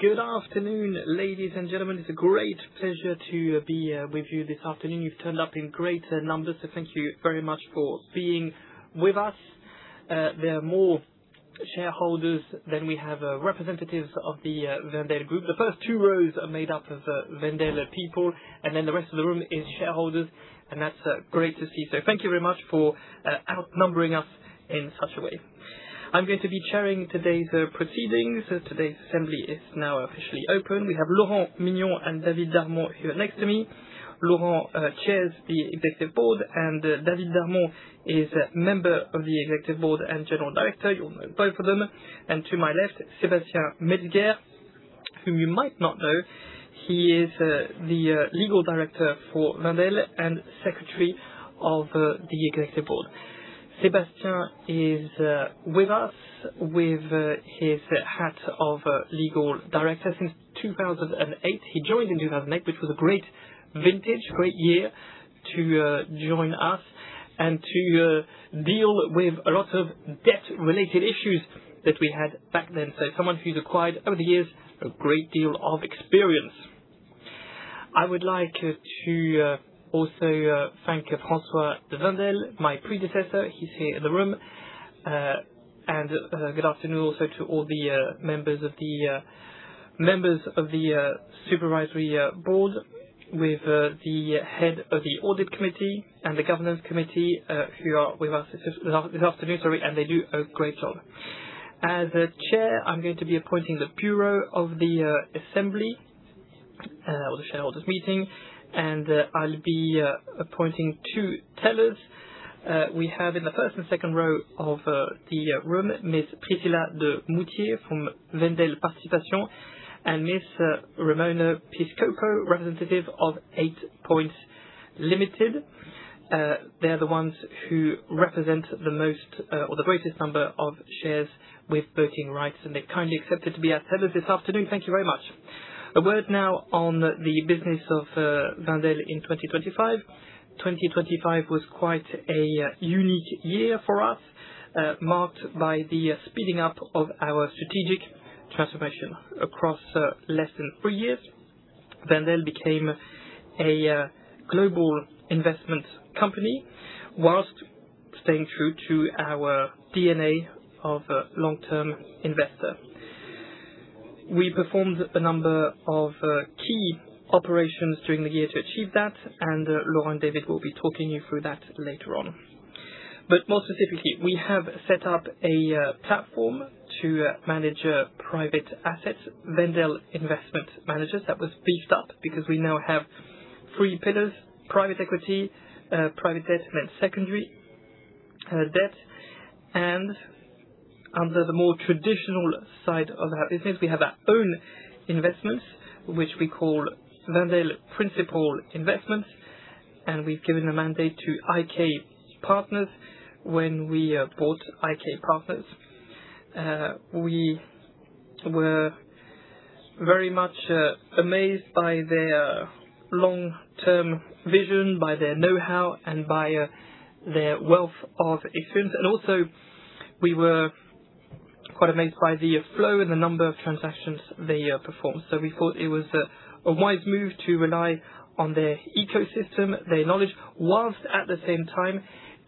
Good afternoon, ladies and gentlemen. It's a great pleasure to be with you this afternoon. You've turned up in great numbers, so thank you very much for being with us. There are more shareholders than we have representatives of the Wendel Group. The first two rows are made up of Wendel people, and then the rest of the room is shareholders, and that's great to see. Thank you very much for outnumbering us in such a way. I'm going to be chairing today's proceedings. Today's assembly is now officially open. We have Laurent Mignon and David Darmon here next to me. Laurent chairs the Executive Board, and David Darmon is a member of the Executive Board and General Director. You all know both of them. To my left, Sébastien Metzger, whom you might not know. He is the Legal Director for Wendel and Secretary of the Executive Board. Sébastien is with us with his hat of legal director since 2008. He joined in 2008, which was a great vintage, great year to join us and to deal with a lot of debt-related issues that we had back then. Someone who's acquired, over the years, a great deal of experience. I would like to also thank François de Wendel, my predecessor. He's here in the room. Good afternoon also to all the members of the Supervisory Board with the head of the Audit Committee and the Governance Committee, who are with us this afternoon, and they do a great job. As the chair, I'm going to be appointing the bureau of the assembly or the shareholders' meeting, and I'll be appointing two tellers. We have in the first and second row of the room, Ms. Priscilla de Moustier from Wendel-Participations, and Ms. Ramona Piscopo, representative of Eight Points Limited. They are the ones who represent the most or the greatest number of shares with voting rights, and they kindly accepted to be our tellers this afternoon. Thank you very much. A word now on the business of Wendel in 2025. 2025 was quite a unique year for us, marked by the speeding up of our strategic transformation. Across less than three years, Wendel became a global investment company whilst staying true to our DNA of a long-term investor. We performed a number of key operations during the year to achieve that. Laurent and David will be talking you through that later on. More specifically, we have set up a platform to manage private assets, Wendel Investment Managers. That was beefed up because we now have three pillars: private equity, private debt, and then secondary debt. Under the more traditional side of our business, we have our own investments, which we call Wendel Principal Investments, and we've given a mandate to IK Partners. When we bought IK Partners, we were very much amazed by their long-term vision, by their know-how, and by their wealth of experience. We were quite amazed by the flow and the number of transactions they performed. We thought it was a wise move to rely on their ecosystem, their knowledge, whilst at the same time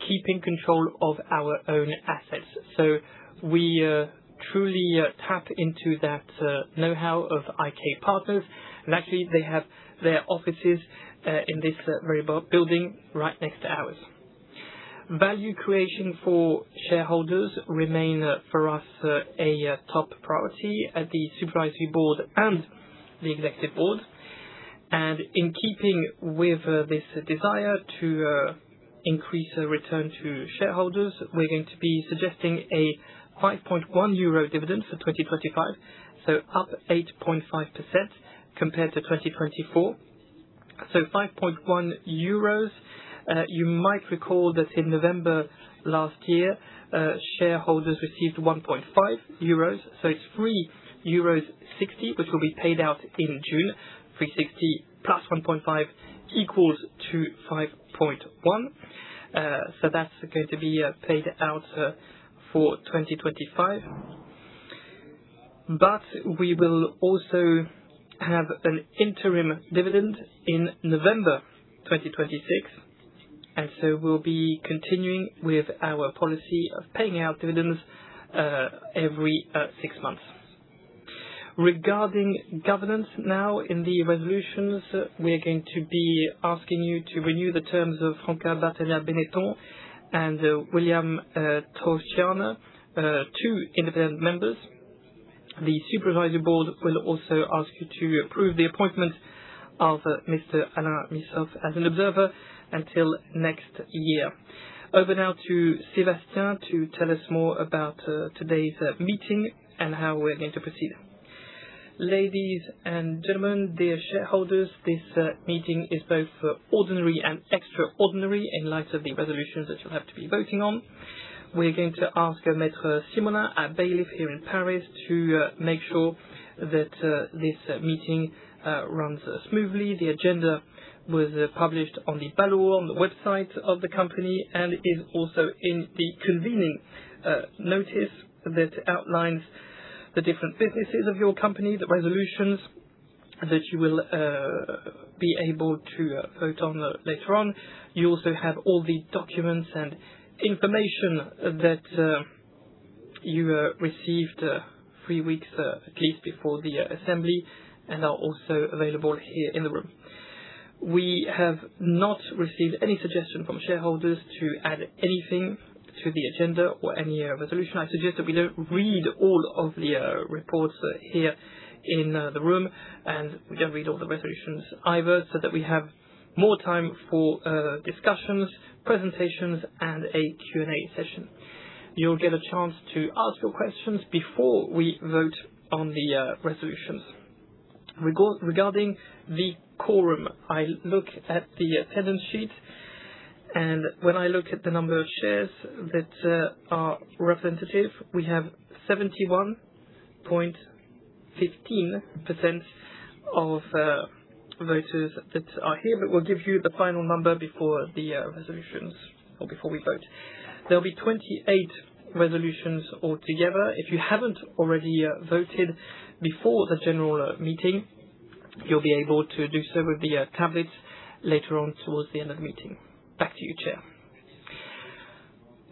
keeping control of our own assets. We truly tap into that know-how of IK Partners. Luckily, they have their offices in this very building right next to ours. Value creation for shareholders remain for us a top priority at the supervisory board and the executive board. In keeping with this desire to increase the return to shareholders, we're going to be suggesting a 5.1 euro dividend for 2025, up 8.5% compared to 2024. 5.1 euros. You might recall that in November last year, shareholders received 1.5 euros. It's 3.60 euros, which will be paid out in June. 3.6 plus 1.5 equals to 5.1. That's going to be paid out for 2025. We will also have an interim dividend in November 2026, and so we'll be continuing with our policy of paying out dividends every six months. Regarding governance now in the resolutions, we're going to be asking you to renew the terms of Franca Bertagnin Benetton and William Torchiana, two independent members. The Supervisory Board will also ask you to approve the appointment of Mr. Alain Missoffe as an observer until next year. Over now to Sébastien to tell us more about today's meeting and how we're going to proceed. Ladies and gentlemen, dear shareholders, this meeting is both ordinary and extraordinary in light of the resolutions that you'll have to be voting on. We're going to ask Maître Simonin, our bailiff here in Paris, to make sure that this meeting runs smoothly. The agenda was published on the website of the company and is also in the convening notice that outlines the different businesses of your company, the resolutions that you will be able to vote on later on. You also have all the documents and information that you received three weeks at least before the assembly and are also available here in the room. We have not received any suggestion from shareholders to add anything to the agenda or any resolution. I suggest that we don't read all of the reports here in the room, and we don't read all the resolutions either, so that we have more time for discussions, presentations, and a Q&A session. You'll get a chance to ask your questions before we vote on the resolutions. Regarding the quorum, I look at the attendance sheet, and when I look at the number of shares that are representative, we have 71.15% of voters that are here. We'll give you the final number before the resolutions or before we vote. There'll be 28 resolutions altogether. If you haven't already voted before the general meeting, you'll be able to do so with the tablets later on towards the end of the meeting. Back to you, Chair.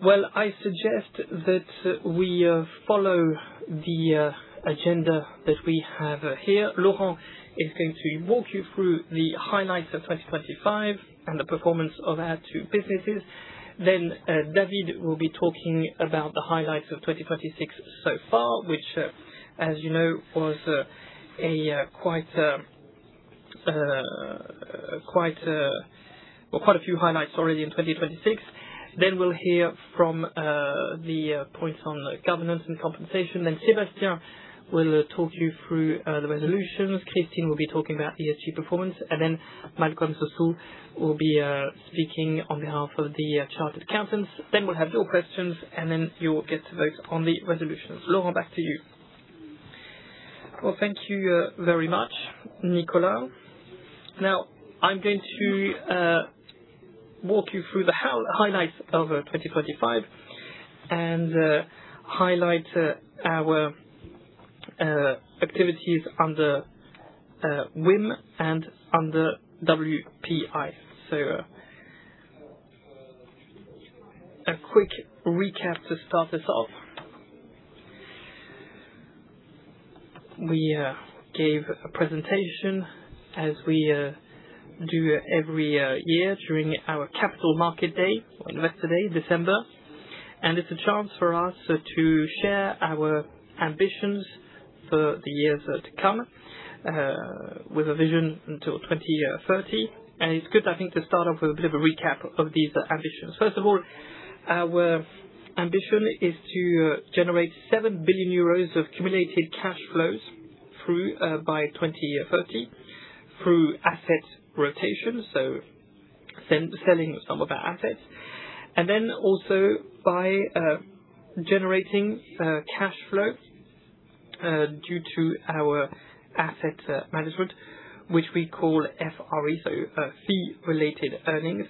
Well, I suggest that we follow the agenda that we have here. Laurent is going to walk you through the highlights of 2025 and the performance of our two businesses. David will be talking about the highlights of 2026 so far, which as you know, was quite a few highlights already in 2026. We'll hear from the points on governance and compensation. Sébastien will talk you through the resolutions. Christine will be talking about ESG performance, and then Malcom Sossou will be speaking on behalf of the chartered accountants. We'll have your questions, and then you will get to vote on the resolutions. Laurent, back to you. Well, thank you very much, Nicolas. I'm going to walk you through the highlights of 2025 and highlight our activities under WIM and under WPI. A quick recap to start this off. We gave a presentation, as we do every year during our Capital Markets Day, on Investor Day, December. It's a chance for us to share our ambitions for the years to come, with a vision until 2030. It's good, I think, to start off with a bit of a recap of these ambitions. First of all, our ambition is to generate 7 billion euros of cumulative cash flows by 2030 through asset rotation, so selling some of our assets, and then also by generating cash flow due to our asset management, which we call FRE, so fee-related earnings.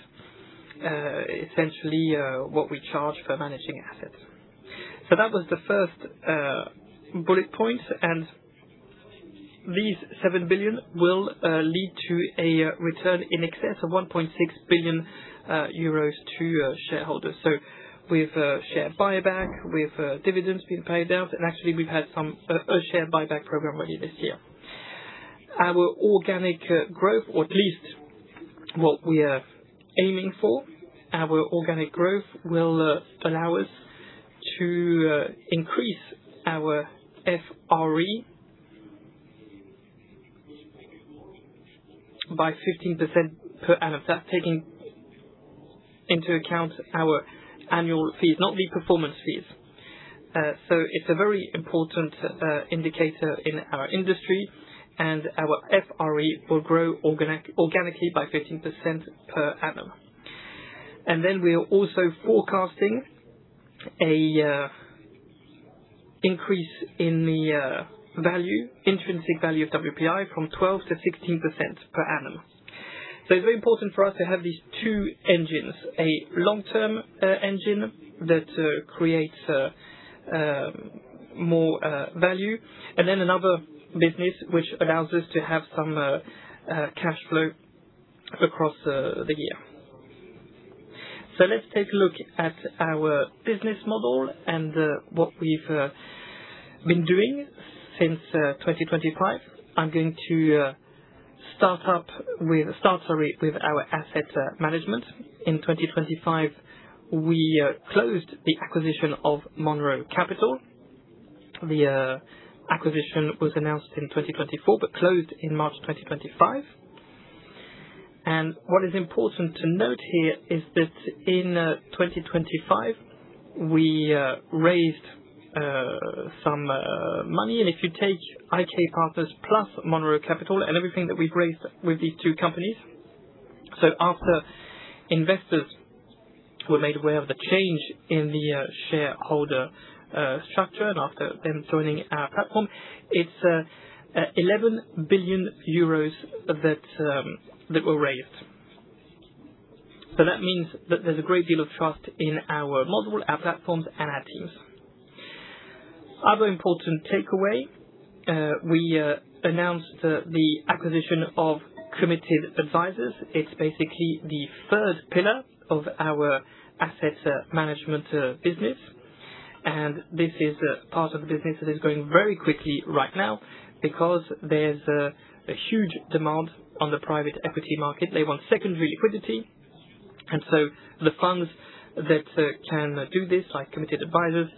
Essentially, what we charge for managing assets. That was the first bullet point, and these 7 billion will lead to a return in excess of 1.6 billion euros to shareholders. With share buyback, with dividends being paid out, and actually, we've had a share buyback program already this year. Our organic growth, or at least what we are aiming for, our organic growth will allow us to increase our FRE by 15% per annum. That's taking into account our annual fees, not the performance fees. It's a very important indicator in our industry, and our FRE will grow organically by 15% per annum. We are also forecasting an increase in the intrinsic value of WPI from 12%-16% per annum. It's very important for us to have these two engines, a long-term engine that creates more value, and then another business which allows us to have some cash flow across the year. Let's take a look at our business model and what we've been doing since 2025. I'm going to start sorry, with our asset management. In 2025, we closed the acquisition of Monroe Capital. The acquisition was announced in 2024 but closed in March 2025. What is important to note here is that in 2025, we raised some money, and if you take IK Partners plus Monroe Capital and everything that we've raised with these two companies. After investors who were made aware of the change in the shareholder structure and after them joining our platform, it's 11 billion euros that were raised. That means that there's a great deal of trust in our model, our platforms, and our teams. Other important takeaway, we announced the acquisition of Committed Advisors. It's basically the third pillar of our asset management business, and this is a part of the business that is growing very quickly right now because there's a huge demand on the private equity market. They want secondary liquidity, the funds that can do this, like Committed Advisors,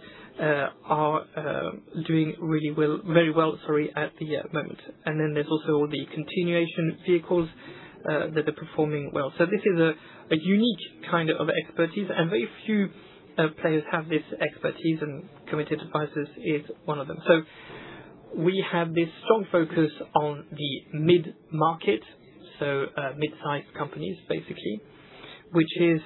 are doing very well at the moment. There's also all the continuation vehicles that are performing well. This is a unique kind of expertise, very few players have this expertise, and Committed Advisors is one of them. We have this strong focus on the mid-market, mid-size companies, basically, which is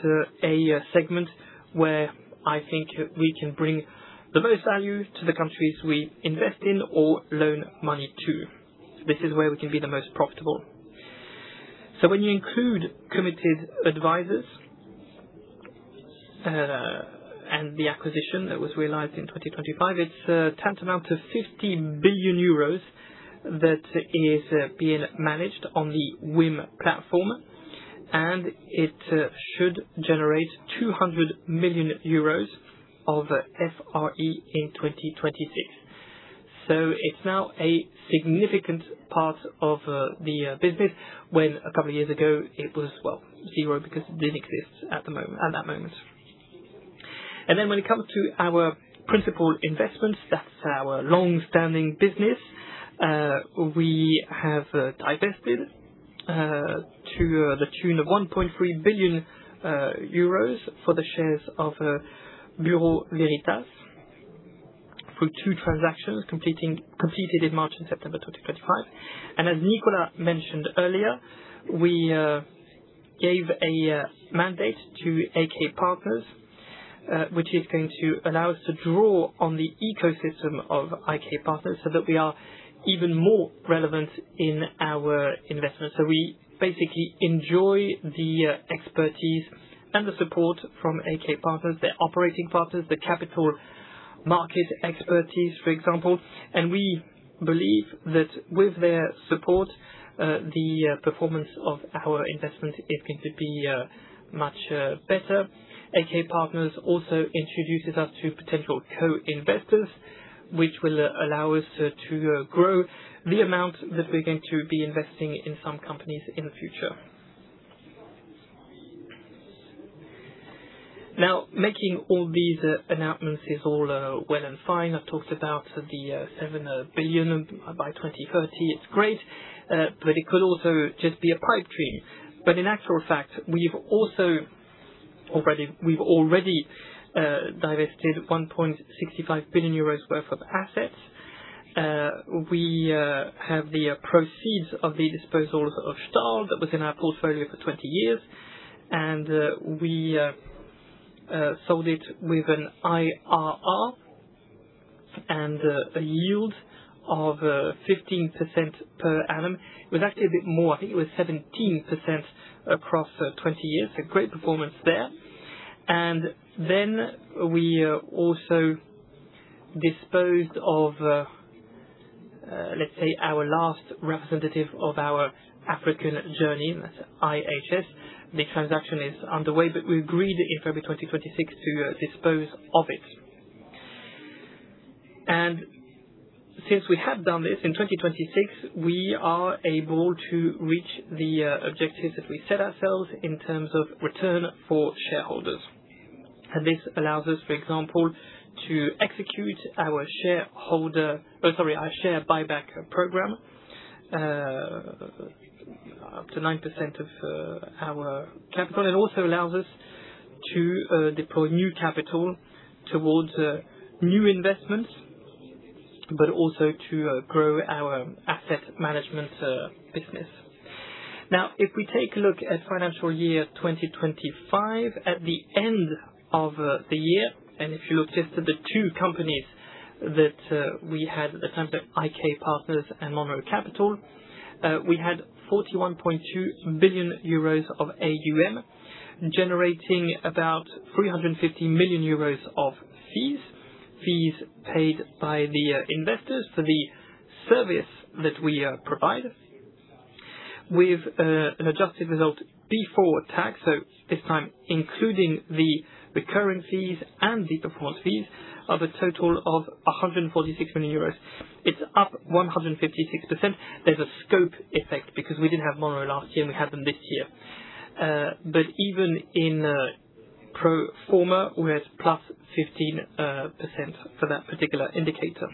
a segment where I think we can bring the most value to the countries we invest in or loan money to. This is where we can be the most profitable. When you include Committed Advisors and the acquisition that was realized in 2025, it's tantamount to 50 billion euros that is being managed on the WIM platform, and it should generate 200 million euros of FRE in 2026. It's now a significant part of the business when a couple years ago it was, well, zero because it didn't exist at that moment. When it comes to our principal investments, that's our long-standing business. We have divested to the tune of 1.3 billion euros for the shares of Bureau Veritas through two transactions completed in March and September 2025. As Nicolas ver Hulst mentioned earlier, we gave a mandate to IK Partners, which is going to allow us to draw on the ecosystem of IK Partners so that we are even more relevant in our investments. We basically enjoy the expertise and the support from IK Partners, their operating partners, the capital market expertise, for example. We believe that with their support, the performance of our investment is going to be much better. IK Partners also introduces us to potential co-investors, which will allow us to grow the amount that we're going to be investing in some companies in the future. Making all these announcements is all well and fine. I've talked about the 7 billion by 2030. It's great. It could also just be a pipe dream. In actual fact, we've already divested 1.65 billion euros worth of assets. We have the proceeds of the disposals of Stahl that was in our portfolio for 20 years, and we sold it with an IRR and a yield of 15% per annum. It was actually a bit more. I think it was 17% across 20 years. A great performance there. We also disposed of, let's say, our last representative of our African journey, that's IHS. The transaction is underway, but we agreed in February 2026 to dispose of it. Since we have done this in 2026, we are able to reach the objectives that we set ourselves in terms of return for shareholders. This allows us, for example, to execute our shareholder our share buyback program up to 9% of our capital. It also allows us to deploy new capital towards new investments, but also to grow our asset management business. Now, if we take a look at financial year 2025, at the end of the year, and if you look just at the two companies that we had at the time, IK Partners and Monroe Capital, we had 41.2 billion euros of AUM generating about 350 million euros of fees. Fees paid by the investors for the service that we provide with an adjusted result before tax. This time, including the recurring fees and the performance fees of a total of 146 million euros. It's up 156%. There's a scope effect because we didn't have Monroe last year, and we had them this year. Even in pro forma, we're at +15% for that particular indicator.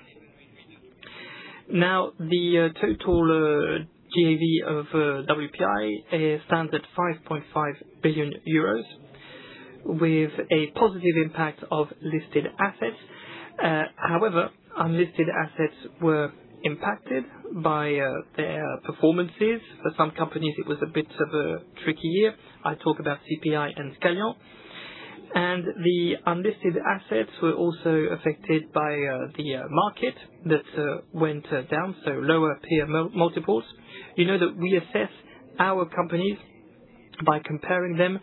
The total GAV of WPI stands at 5.5 billion euros with a positive impact of listed assets. However, unlisted assets were impacted by their performances. For some companies, it was a bit of a tricky year. I talk about CPI and Scalian. The unlisted assets were also affected by the market that went down, so lower peer multiples. You know that we assess our companies by comparing them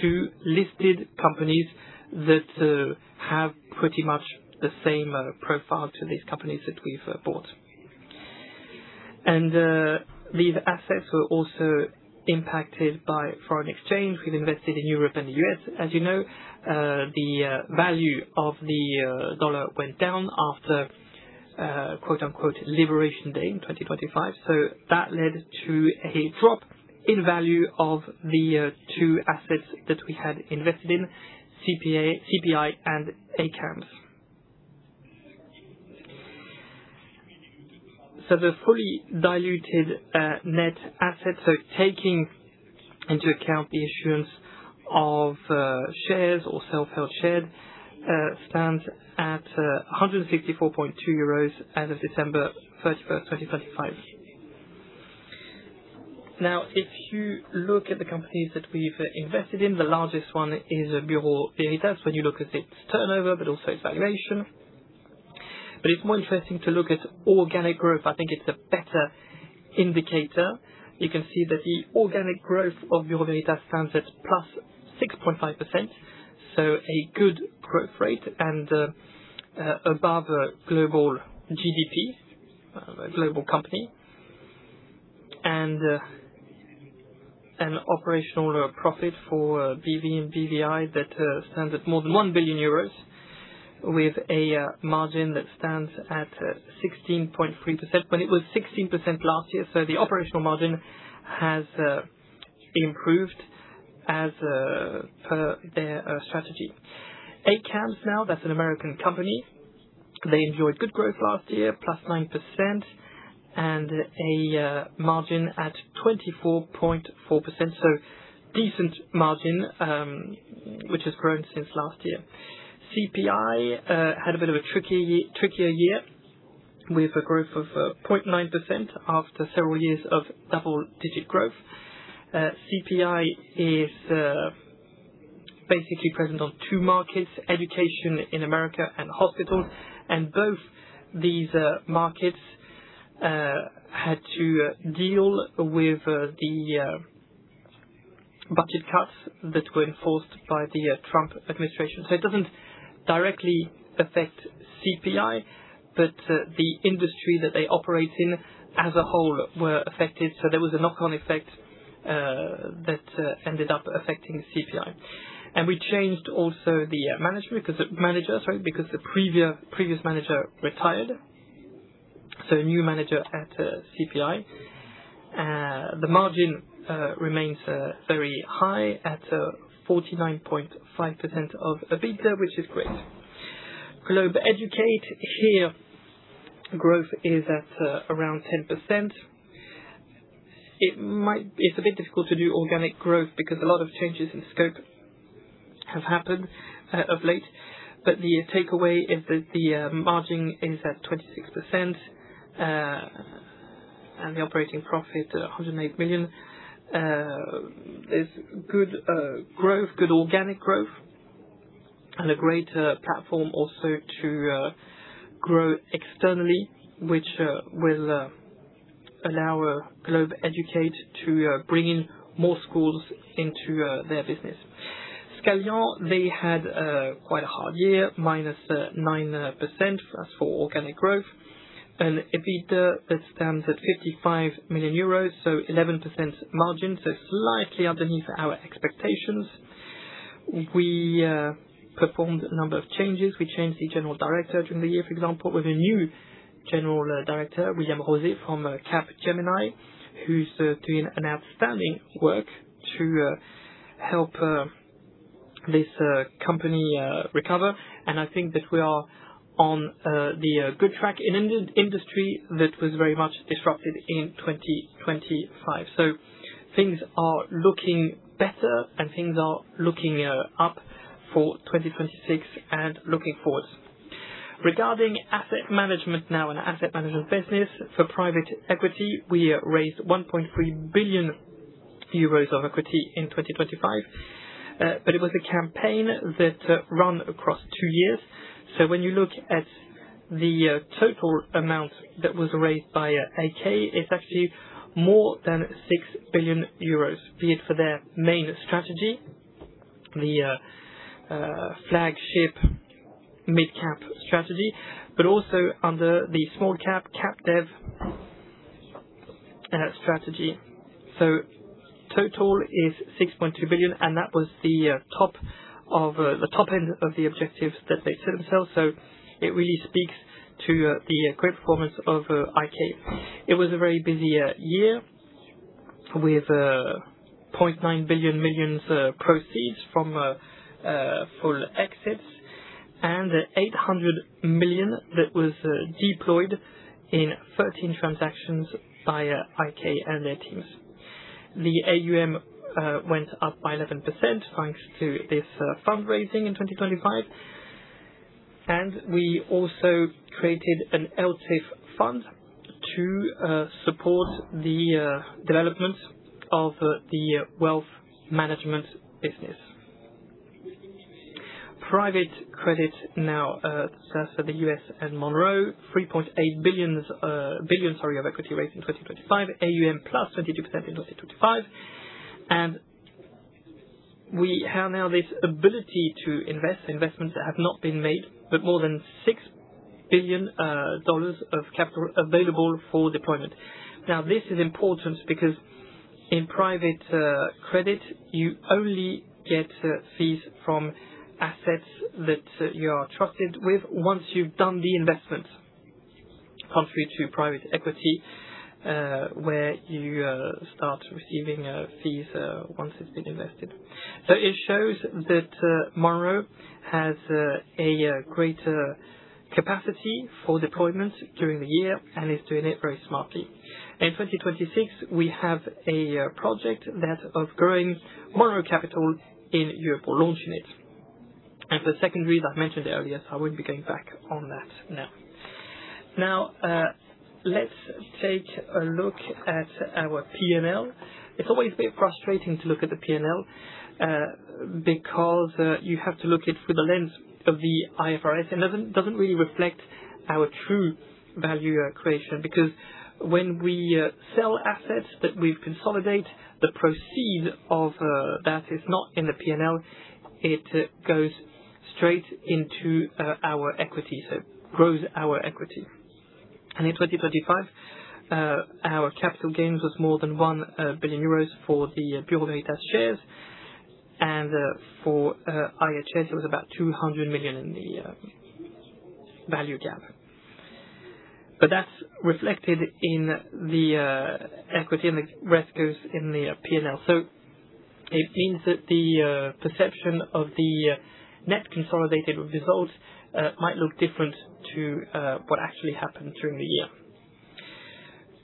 to listed companies that have pretty much the same profile to these companies that we've bought. These assets were also impacted by foreign exchange. We've invested in Europe and the U.S. As you know, the value of the dollar went down after Liberation Day in 2025. That led to a drop in value of the two assets that we had invested in, CPI and ACAMS. The fully diluted net assets, taking into account the issuance of shares or self-held shares, stands at 164.2 euros as of December 31st, 2025. If you look at the companies that we've invested in, the largest one is Bureau Veritas. When you look at its turnover, but also its valuation. It's more interesting to look at organic growth. I think it's a better indicator. You can see that the organic growth of Bureau Veritas stands at +6.5%, a good growth rate and above global GDP, a global company. An operational profit for BVI that stands at more than 1 billion euros with a margin that stands at 16.3% when it was 16% last year. The operational margin has improved as per their strategy. ACAMS now, that is an American company. They enjoyed good growth last year, +9%, and a margin at 24.4%. Decent margin, which has grown since last year. CPI had a bit of a trickier year with a growth of 0.9% after several years of double-digit growth. CPI is basically present on two markets, education in America and hospitals. Both these markets had to deal with the budget cuts that were enforced by the Trump administration. It does not directly affect CPI, but the industry that they operate in as a whole were affected. There was a knock-on effect that ended up affecting CPI. We changed also the manager because the previous manager retired. A new manager at CPI. The margin remains very high at 49.5% of EBITDA, which is great. Globeducate, here growth is at around 10%. It's a bit difficult to do organic growth because a lot of changes in scope have happened of late. The takeaway is that the margin is at 26%, and the operating profit, 108 million. There's good growth, good organic growth and a great platform also to grow externally, which will allow Globeducate to bring in more schools into their business. Scalian, they had quite a hard year, -9% as for organic growth. EBITDA that stands at 55 million euros, so 11% margin. Slightly underneath our expectations. We performed a number of changes. We changed the general director during the year, for example. We have a new general director, William Rozé from Capgemini, who is doing an outstanding work to help this company recover. I think that we are on the good track in an industry that was very much disrupted in 2025. Things are looking better and things are looking up for 2026 and looking forwards. Regarding asset management now and asset management business for private equity, we raised 1.3 billion euros of equity in 2025. It was a campaign that run across two years. When you look at the total amount that was raised by IK Partners, it is actually more than 6 billion euros, be it for their main strategy, the flagship midcap strategy, but also under the small cap cap dev strategy. Total is 6.2 billion, and that was the top end of the objectives that they set themselves. It really speaks to the great performance of IK Partners. It was a very busy year with 0.9 billion proceeds from full exits and 800 million that was deployed in 13 transactions by IK Partners and their teams. The AUM went up by 11% thanks to this fundraising in 2025. We also created an ELTIF fund to support the development of the wealth management business. Private credit now serves the U.S. and Monroe. 3.8 billion of equity raised in 2025, AUM +22% in 2025. We have now this ability to invest. Investments that have not been made, more than $6 billion of capital available for deployment. This is important because in private credit, you only get fees from assets that you are trusted with once you've done the investment, contrary to private equity, where you start receiving fees, once it's been invested. It shows that Monroe Capital has a greater capacity for deployment during the year and is doing it very smartly. In 2026, we have a project that of growing Monroe Capital in Europe or launching it. The second reason I mentioned earlier, I won't be going back on that now. Let's take a look at our P&L. It's always a bit frustrating to look at the P&L, because you have to look it through the lens of the IFRS. It doesn't really reflect our true value creation because when we sell assets that we consolidate, the proceeds of that is not in the P&L. It goes straight into our equity, it grows our equity. In 2025, our capital gains was more than 1 billion euros for the Bureau Veritas shares. For IHS, it was about 200 million in the value gap. That's reflected in the equity and the rest goes in the P&L. It means that the perception of the net consolidated results might look different to what actually happened during the year.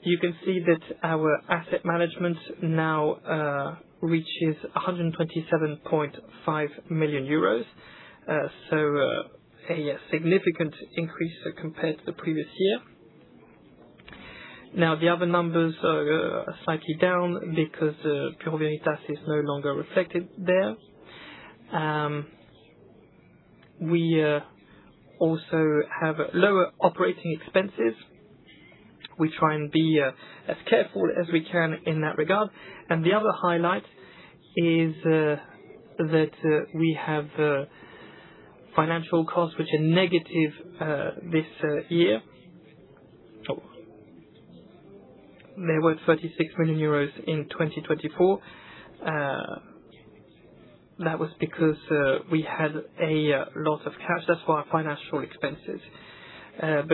You can see that our asset management now reaches 127.5 million euros. A significant increase compared to the previous year. The other numbers are slightly down because Bureau Veritas is no longer reflected there. We also have lower operating expenses. We try and be as careful as we can in that regard. The other highlight is that we have financial costs which are negative this year. They were EUR 36 million in 2024. That was because we had a lot of cash. That's for our financial expenses.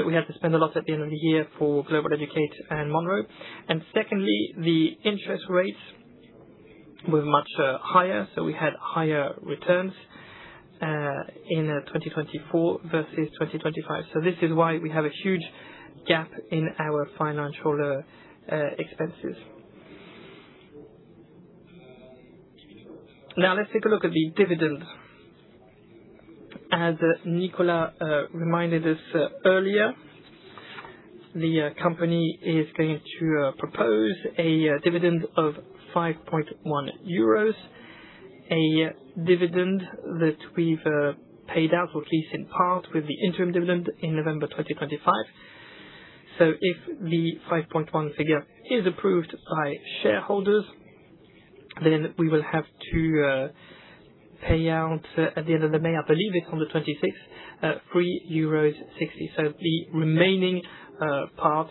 We had to spend a lot at the end of the year for Globeducate and Monroe. Secondly, the interest rates were much higher, we had higher returns in 2024 versus 2025. This is why we have a huge gap in our financial expenses. Let's take a look at the dividend. As Nicolas reminded us earlier, the company is going to propose a dividend of 5.1 euros. A dividend that we've paid out, or at least in part with the interim dividend in November 2025. If the 5.1 figure is approved by shareholders, we will have to pay out at the end of May, I believe it's on the 26th, 3.60. The remaining part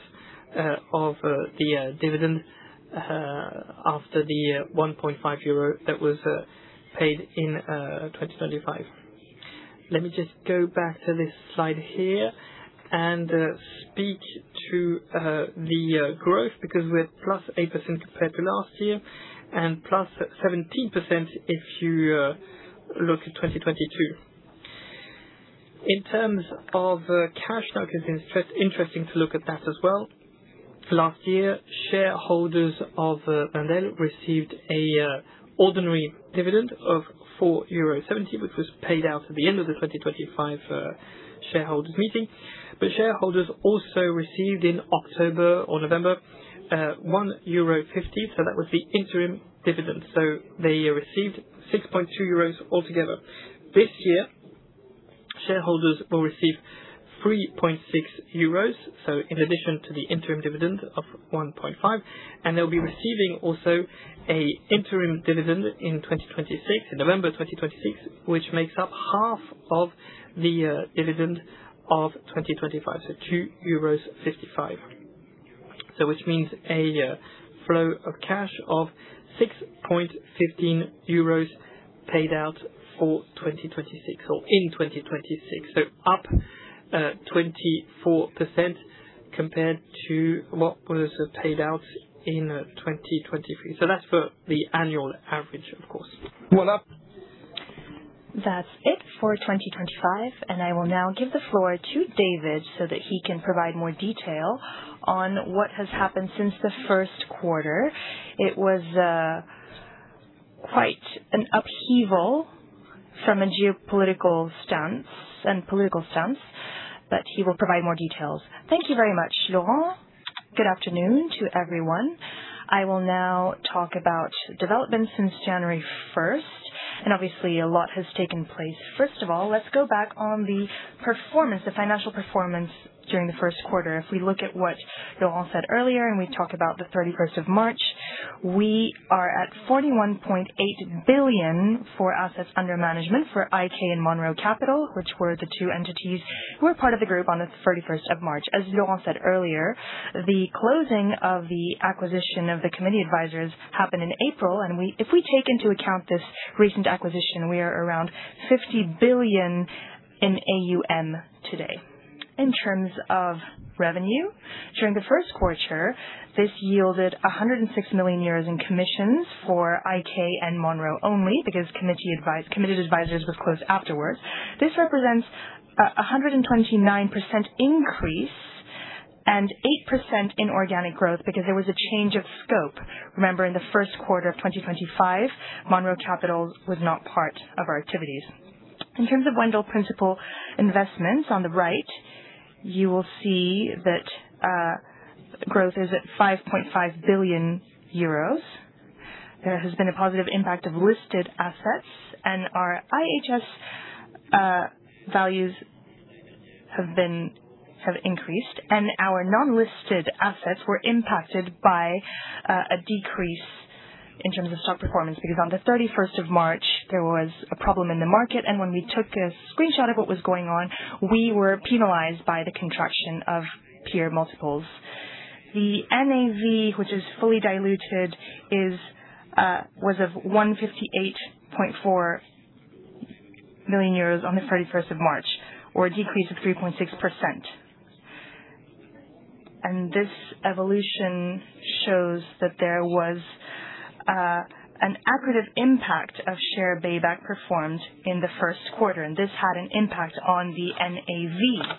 of the dividend after the 1.5 euro that was paid in 2025. Let me just go back to this slide here and speak to the growth because we're at +8% compared to last year and +17% if you look at 2022. In terms of cash flow, it's been interesting to look at that as well. Last year, shareholders of Wendel received a ordinary dividend of 4.70 euro, which was paid out at the end of the 2025 shareholders meeting. Shareholders also received in October or November, 1.50 euro. That was the interim dividend. They received 6.2 euros altogether. This year, shareholders will receive 3.60 euros. In addition to the interim dividend of 1.5, and they'll be receiving also a interim dividend in 2026, in November 2026, which makes up half of the dividend of 2025, 2.55 euros. Which means a flow of cash of 6.15 euros paid out for 2026 or in 2026. Up 24% compared to what was paid out in 2023. That's for the annual average, of course. That's it for 2025. I will now give the to David so that he can provide more detail on what has happened since the first quarter. It was quite an upheaval from a geopolitical stance and political stance. He will provide more details. Thank you very much, Laurent Mignon. Good afternoon to everyone. I will now talk about developments since January 1st. Obviously, a lot has taken place. First of all, let's go back on the financial performance during the first quarter. If we look at what Laurent Mignon said earlier, and we talk about the March 31st, we are at 41.8 billion for assets under management for IK and Monroe Capital, which were the two entities who were part of the group on the March 31st. As Laurent said earlier, the closing of the acquisition of Committed Advisors happened in April, and if we take into account this recent acquisition, we are around 50 billion in AUM today. In terms of revenue, during the first quarter, this yielded 106 million euros in commissions for IK and Monroe only because Committed Advisors was closed afterwards. This represents 129% increase and 8% in organic growth because there was a change of scope. Remember, in the first quarter of 2025, Monroe Capital was not part of our activities. In terms of Wendel Principal Investments, on the right, you will see that growth is at 5.5 billion euros. There has been a positive impact of listed assets, and our IHS values have increased, and our non-listed assets were impacted by a decrease in terms of stock performance, because on the March 31st, there was a problem in the market, and when we took a screenshot of what was going on, we were penalized by the contraction of peer multiples. The NAV, which is fully diluted, was of 158.4 million on the March 31st, or a decrease of 3.6%. This evolution shows that there was an accretive impact of share buyback performed in the first quarter, and this had an impact on the NAV.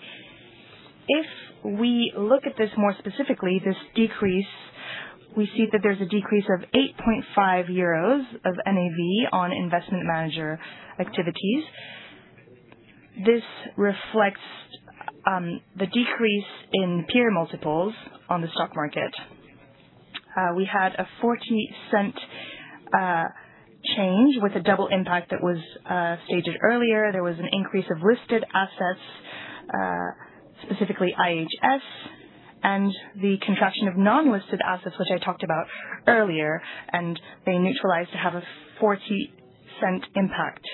If we look at this more specifically, this decrease, we see that there's a decrease of 8.5 euros of NAV on investment manager activities. This reflects the decrease in peer multiples on the stock market. We had a 0.40 change with a double impact that was stated earlier. There was an increase of listed assets, specifically IHS, and the contraction of non-listed assets, which I talked about earlier. They neutralized to have a 0.40 impact.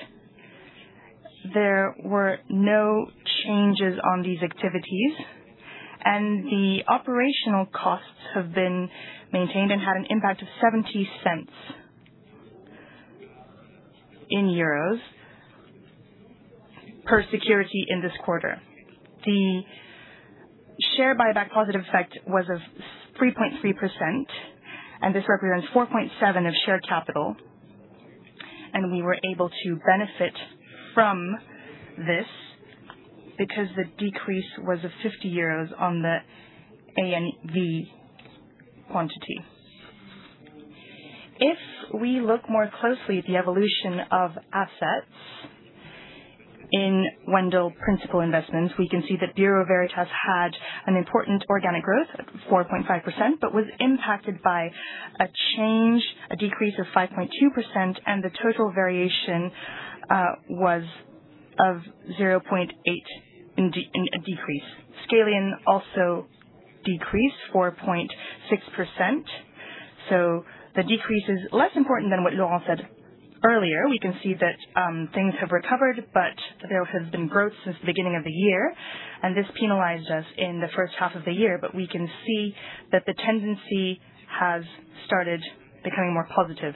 There were no changes on these activities. The operational costs have been maintained and had an impact of 0.70 per security in this quarter. The share buyback positive effect was of 3.3%. This represents 4.7% of shared capital. We were able to benefit from this because the decrease was of 50 euros on the NAV quantity. If we look more closely at the evolution of assets in Wendel Principal Investments, we can see that Bureau Veritas had an important organic growth, 4.5%, but was impacted by a change, a decrease of 5.2%, and the total variation was of 0.8% in a decrease. Scalian also decreased 4.6%. The decrease is less important than what Laurent said earlier. We can see that things have recovered, but there has been growth since the beginning of the year, and this penalized us in the first half of the year. We can see that the tendency has started becoming more positive.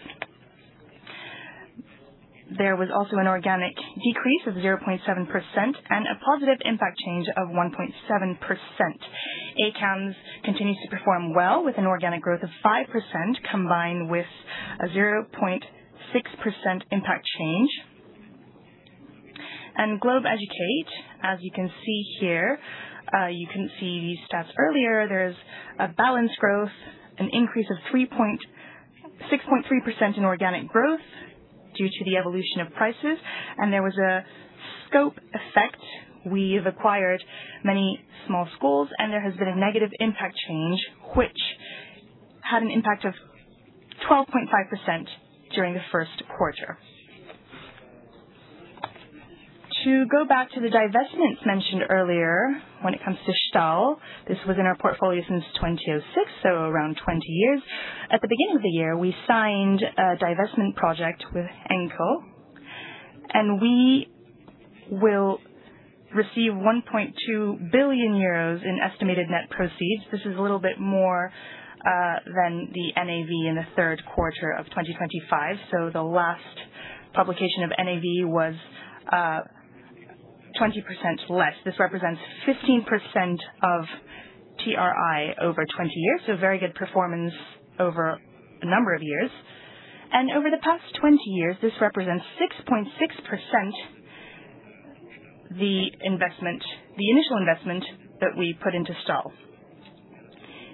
There was also an organic decrease of 0.7% and a positive impact change of 1.7%. ACAMS continues to perform well with an organic growth of 5%, combined with a 0.6% impact change. Globeducate, as you can see here, you can see these stats earlier. There's a balance growth, an increase of 6.3% in organic growth due to the evolution of prices. There was a scope effect. We've acquired many small schools, and there has been a negative impact change, which had an impact of 12.5% during the first quarter. To go back to the divestments mentioned earlier, when it comes to Stahl, this was in our portfolio since 2006, so around 20 years. At the beginning of the year, we signed a divestment project with Engie, we will receive 1.2 billion euros in estimated net proceeds. This is a little bit more than the NAV in the third quarter of 2025. The last publication of NAV was 20% less. This represents 15% of TRI over 20 years. Very good performance over a number of years. Over the past 20 years, this represents 6.6% the initial investment that we put into Stahl.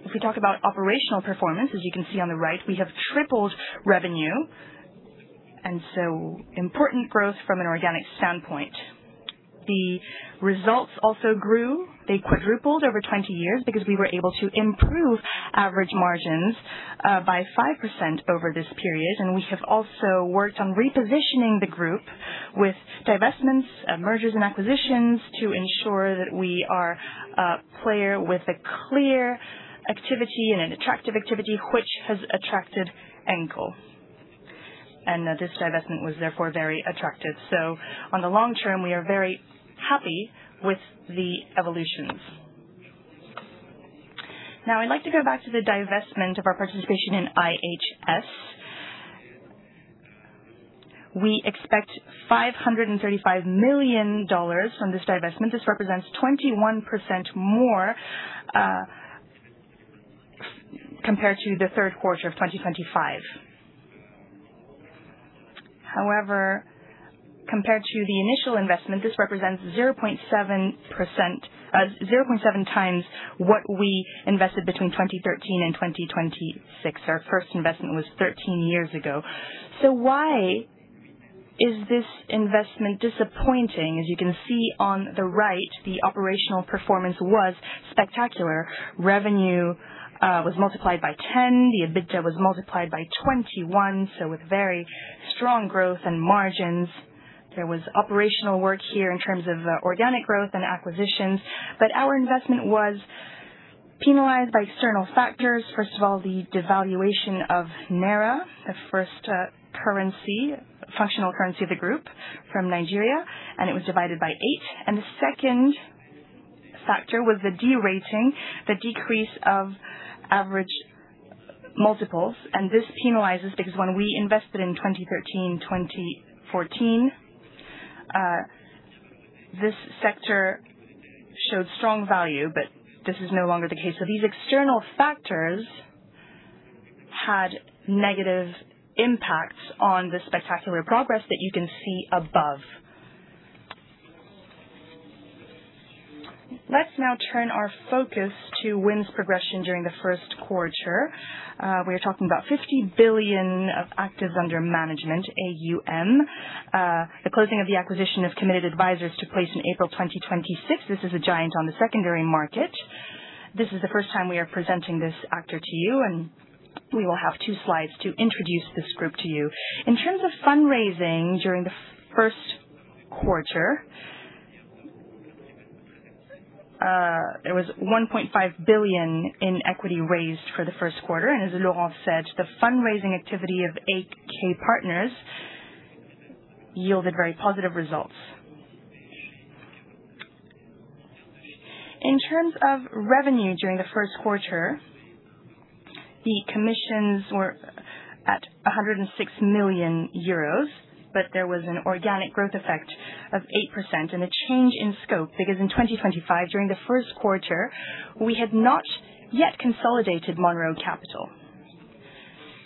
If we talk about operational performance, as you can see on the right, we have tripled revenue, important growth from an organic standpoint. The results also grew. They quadrupled over 20 years because we were able to improve average margins by 5% over this period. We have also worked on repositioning the group with divestments, mergers, and acquisitions to ensure that we are a player with a clear activity and an attractive activity, which has attracted Engie. This divestment was therefore very attractive. On the long term, we are very happy with the evolutions. Now I'd like to go back to the divestment of our participation in IHS. We expect EUR 535 million from this divestment. This represents 21% more, compared to the third quarter of 2025. However, compared to the initial investment, this represents 0.7 times what we invested between 2013 and 2026. Our first investment was 13 years ago. Why is this investment disappointing? As you can see on the right, the operational performance was spectacular. Revenue was multiplied by 10. The EBITDA was multiplied by 21, with very strong growth and margins. There was operational work here in terms of organic growth and acquisitions. Our investment was penalized by external factors. First of all, the devaluation of Naira, the first functional currency of the group from Nigeria, it was divided by eight. The second factor was the derating, the decrease of average multiples. This penalizes because when we invested in 2013, 2014, this sector showed strong value, this is no longer the case. These external factors had negative impacts on the spectacular progress that you can see above. Let's now turn our focus to WIM's progression during the first quarter. We're talking about 50 billion of actives under management, AUM. The closing of the acquisition of Committed Advisors took place in April 2026. This is a giant on the secondary market. This is the first time we are presenting this actor to you, and we will have two slides to introduce this group to you. In terms of fundraising during the first quarter, there was $1.5 billion in equity raised for the first quarter. As Laurent said, the fundraising activity of IK Partners yielded very positive results. In terms of revenue during the first quarter, the commissions were at 106 million euros, but there was an organic growth effect of 8% and a change in scope, because in 2025, during the first quarter, we had not yet consolidated Monroe Capital.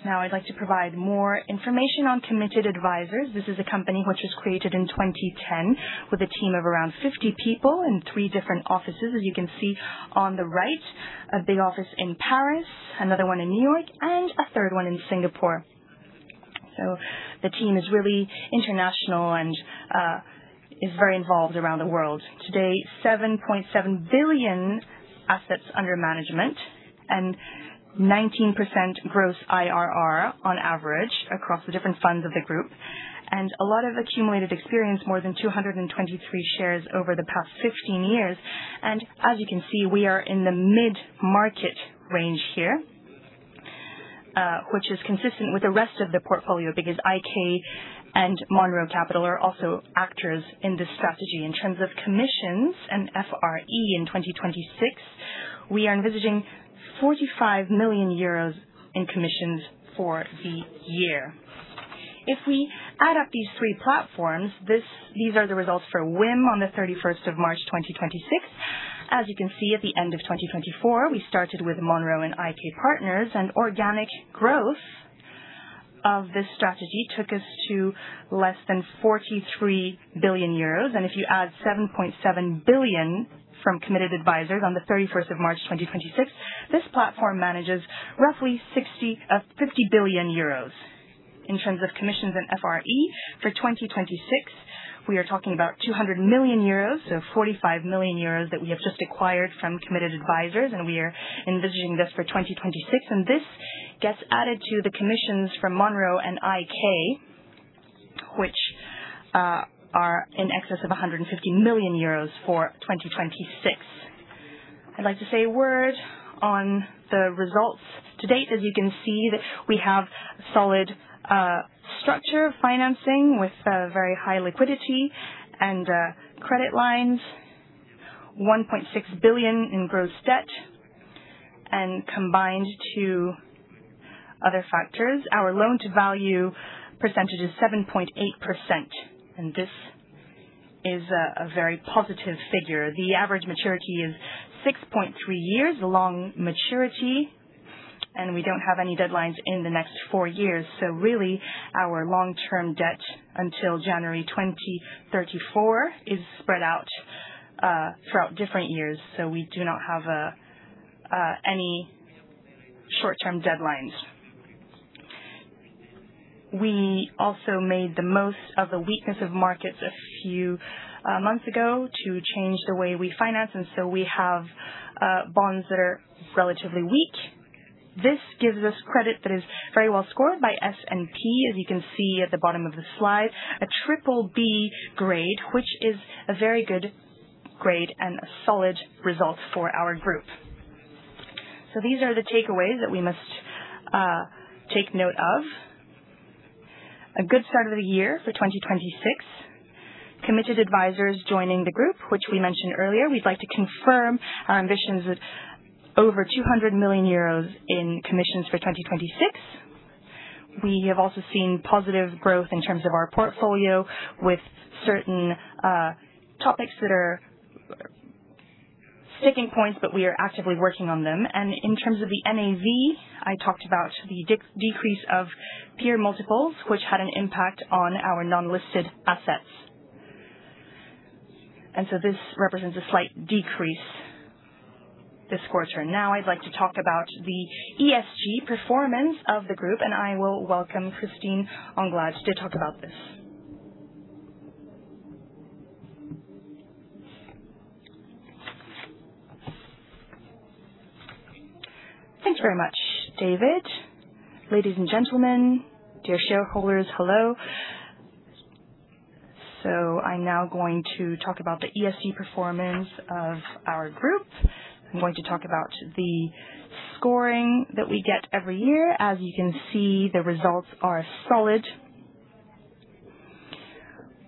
Now I'd like to provide more information on Committed Advisors. This is a company which was created in 2010 with a team of around 50 people in three different offices. As you can see on the right, a big office in Paris, another one in New York, and a third one in Singapore. The team is really international and is very involved around the world. Today, 7.7 billion AUM and 19% gross IRR on average across the different funds of the group. A lot of accumulated experience, more than 223 shares over the past 15 years. As you can see, we are in the mid-market range here, which is consistent with the rest of the portfolio because IK and Monroe Capital are also actors in this strategy. In terms of commissions and FRE in 2026, we are envisaging 45 million euros in commissions for the year. If we add up these 3 platforms, these are the results for WIM on the march 31st, 2026. As you can see, at the end of 2024, we started with Monroe and IK Partners, organic growth of this strategy took us to less than 43 billion euros. If you add 7.7 billion from Committed Advisors on the march 31st, 2026, this platform manages roughly 50 billion euros. In terms of commissions and FRE for 2026, we are talking about 200 million euros, 45 million euros that we have just acquired from Committed Advisors, we are envisaging this for 2026. This gets added to the commissions from Monroe and IK, which are in excess of 150 million euros for 2026. I'd like to say a word on the results to date. As you can see, we have solid structure financing with very high liquidity and credit lines, 1.6 billion in gross debt. Combined to other factors, our loan-to-value percentage is 7.8%, and this is a very positive figure. The average maturity is 6.3 years, long maturity, and we don't have any deadlines in the next four years. Really, our long-term debt until January 2034 is spread out throughout different years, we do not have any short-term deadlines. We also made the most of the weakness of markets a few months ago to change the way we finance, we have bonds that are relatively weak. This gives us credit that is very well scored by S&P. As you can see at the bottom of the slide, a BBB grade, which is a very good grade and a solid result for our group. These are the takeaways that we must take note of. A good start of the year for 2026. Committed Advisors joining the group, which we mentioned earlier. We'd like to confirm our ambitions of over 200 million euros in commissions for 2026. We have also seen positive growth in terms of our portfolio with certain topics that are sticking points, but we are actively working on them. In terms of the NAV, I talked about the decrease of peer multiples, which had an impact on our non-listed assets. This represents a slight decrease this quarter. I'd like to talk about the ESG performance of the group, and I will welcome Christine Anglade-Pirzadeh to talk about this. Thanks very much, David Darmon. Ladies and gentlemen, dear shareholders, hello. I'm now going to talk about the ESG performance of our group. I'm going to talk about the scoring that we get every year. As you can see, the results are solid.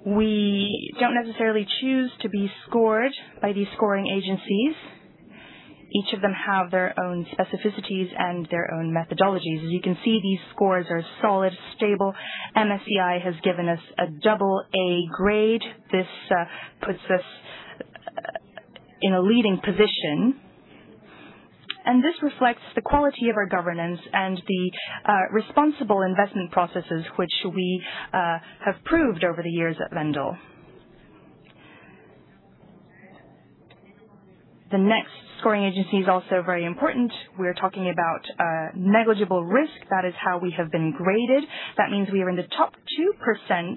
We don't necessarily choose to be scored by these scoring agencies. Each of them have their own specificities and their own methodologies. As you can see, these scores are solid, stable. MSCI has given us a double A grade. This puts us in a leading position, and this reflects the quality of our governance and the responsible investment processes which we have proved over the years at Wendel. The next scoring agency is also very important. We're talking about negligible risk. That is how we have been graded. That means we are in the top 2%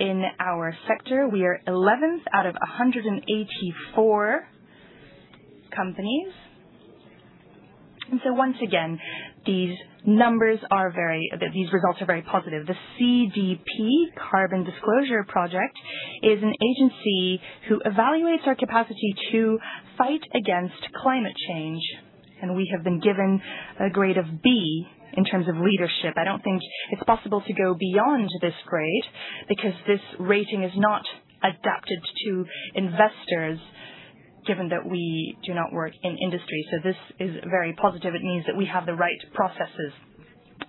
in our sector. We are 11th out of 184 companies. Once again, these results are very positive. The CDP, Carbon Disclosure Project, is an agency who evaluates our capacity to fight against climate change, and we have been given a grade of B in terms of leadership. I don't think it's possible to go beyond this grade because this rating is not adapted to investors, given that we do not work in industry. This is very positive. It means that we have the right processes.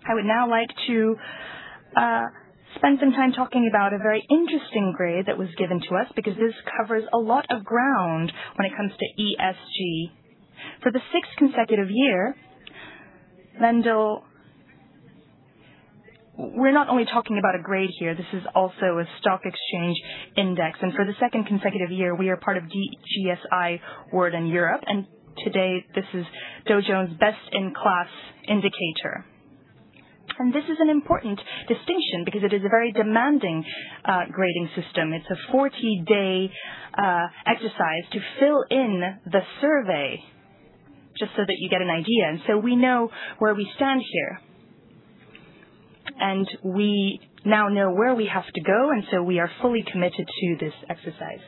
I would now like to spend some time talking about a very interesting grade that was given to us because this covers a lot of ground when it comes to ESG. For the sixth consecutive year, Wendel, we're not only talking about a grade here, this is also a stock exchange index. For the second consecutive year, we are part of DJSI World in Europe, today this is Dow Jones's best-in-class indicator. This is an important distinction because it is a very demanding grading system. It's a 40-day exercise to fill in the survey, just so that you get an idea. We know where we stand here, we now know where we have to go, we are fully committed to this exercise.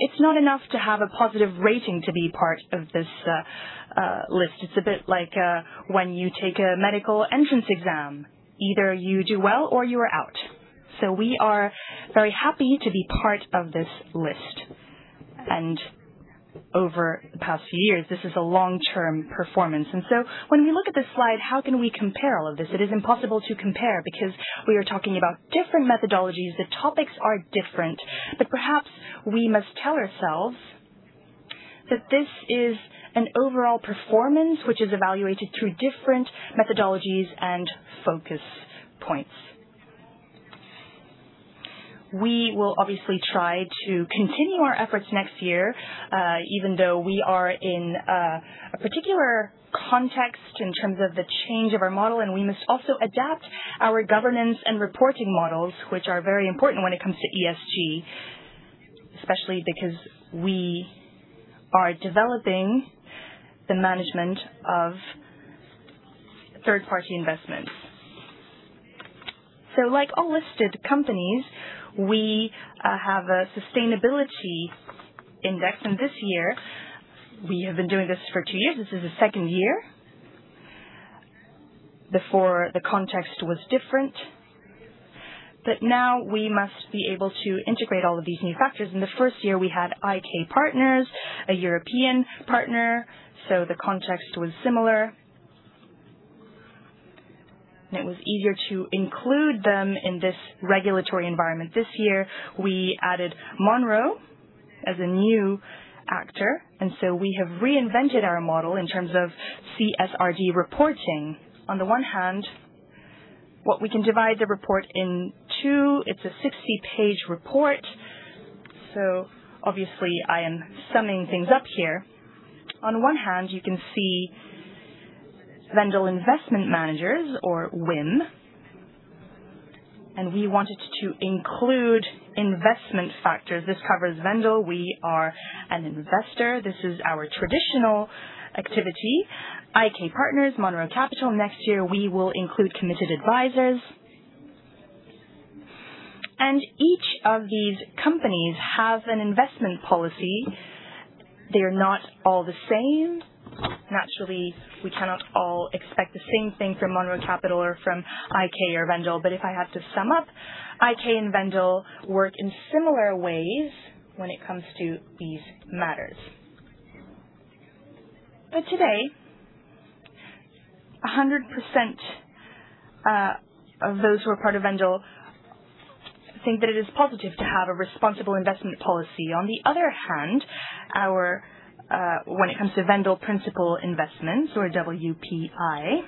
It's not enough to have a positive rating to be part of this list. It's a bit like when you take a medical entrance exam, either you do well or you are out. We are very happy to be part of this list. Over the past few years, this is a long-term performance. When we look at this slide, how can we compare all of this? It is impossible to compare because we are talking about different methodologies. The topics are different. Perhaps we must tell ourselves that this is an overall performance which is evaluated through different methodologies and focus points. We will obviously try to continue our efforts next year, even though we are in a particular context in terms of the change of our model, and we must also adapt our governance and reporting models, which are very important when it comes to ESG, especially because we are developing the management of third-party investments. Like all listed companies, we have a sustainability index, and this year, we have been doing this for two years. This is the second year. Before, the context was different, but now we must be able to integrate all of these new factors. In the first year, we had IK Partners, a European partner, so the context was similar, and it was easier to include them in this regulatory environment. This year, we added Monroe as a new actor, and so we have reinvented our model in terms of CSRD reporting. On the one hand, what we can divide the report in two, it's a 60-page report, so obviously I am summing things up here. On one hand, you can see Wendel Investment Managers or WIM, and we wanted to include investment factors. This covers Wendel. We are an investor. This is our traditional activity. IK Partners, Monroe Capital. Next year, we will include Committed Advisors. Each of these companies have an investment policy. They are not all the same. Naturally, we cannot all expect the same thing from Monroe Capital or from IK or Wendel. If I have to sum up, IK and Wendel work in similar ways when it comes to these matters. Today, 100% of those who are part of Wendel think that it is positive to have a responsible investment policy. On the other hand, when it comes to Wendel Principal Investments or WPI,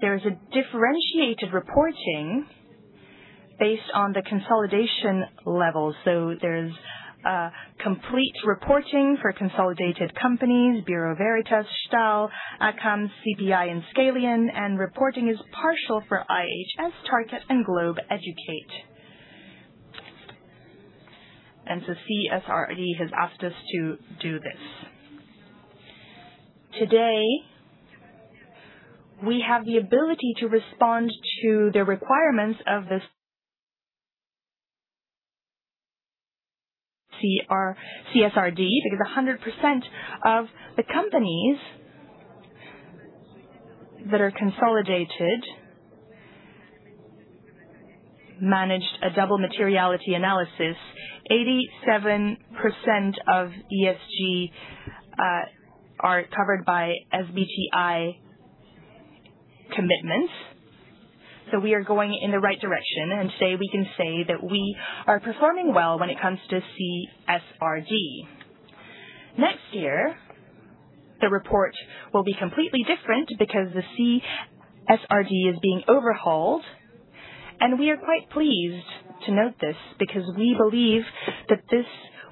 there is a differentiated reporting based on the consolidation level. There's a complete reporting for consolidated companies, Bureau Veritas, Stahl, ACAMS, CPI, and Scalian, and reporting is partial for IHS, Tarkett, and Globeducate. CSRD has asked us to do this. Today, we have the ability to respond to the requirements of this CSRD because 100% of the companies that are consolidated managed a double materiality analysis, 87% of ESG are covered by SBTi commitments. We are going in the right direction, and today we can say that we are performing well when it comes to CSRD. Next year, the report will be completely different because the CSRD is being overhauled, and we are quite pleased to note this because we believe that this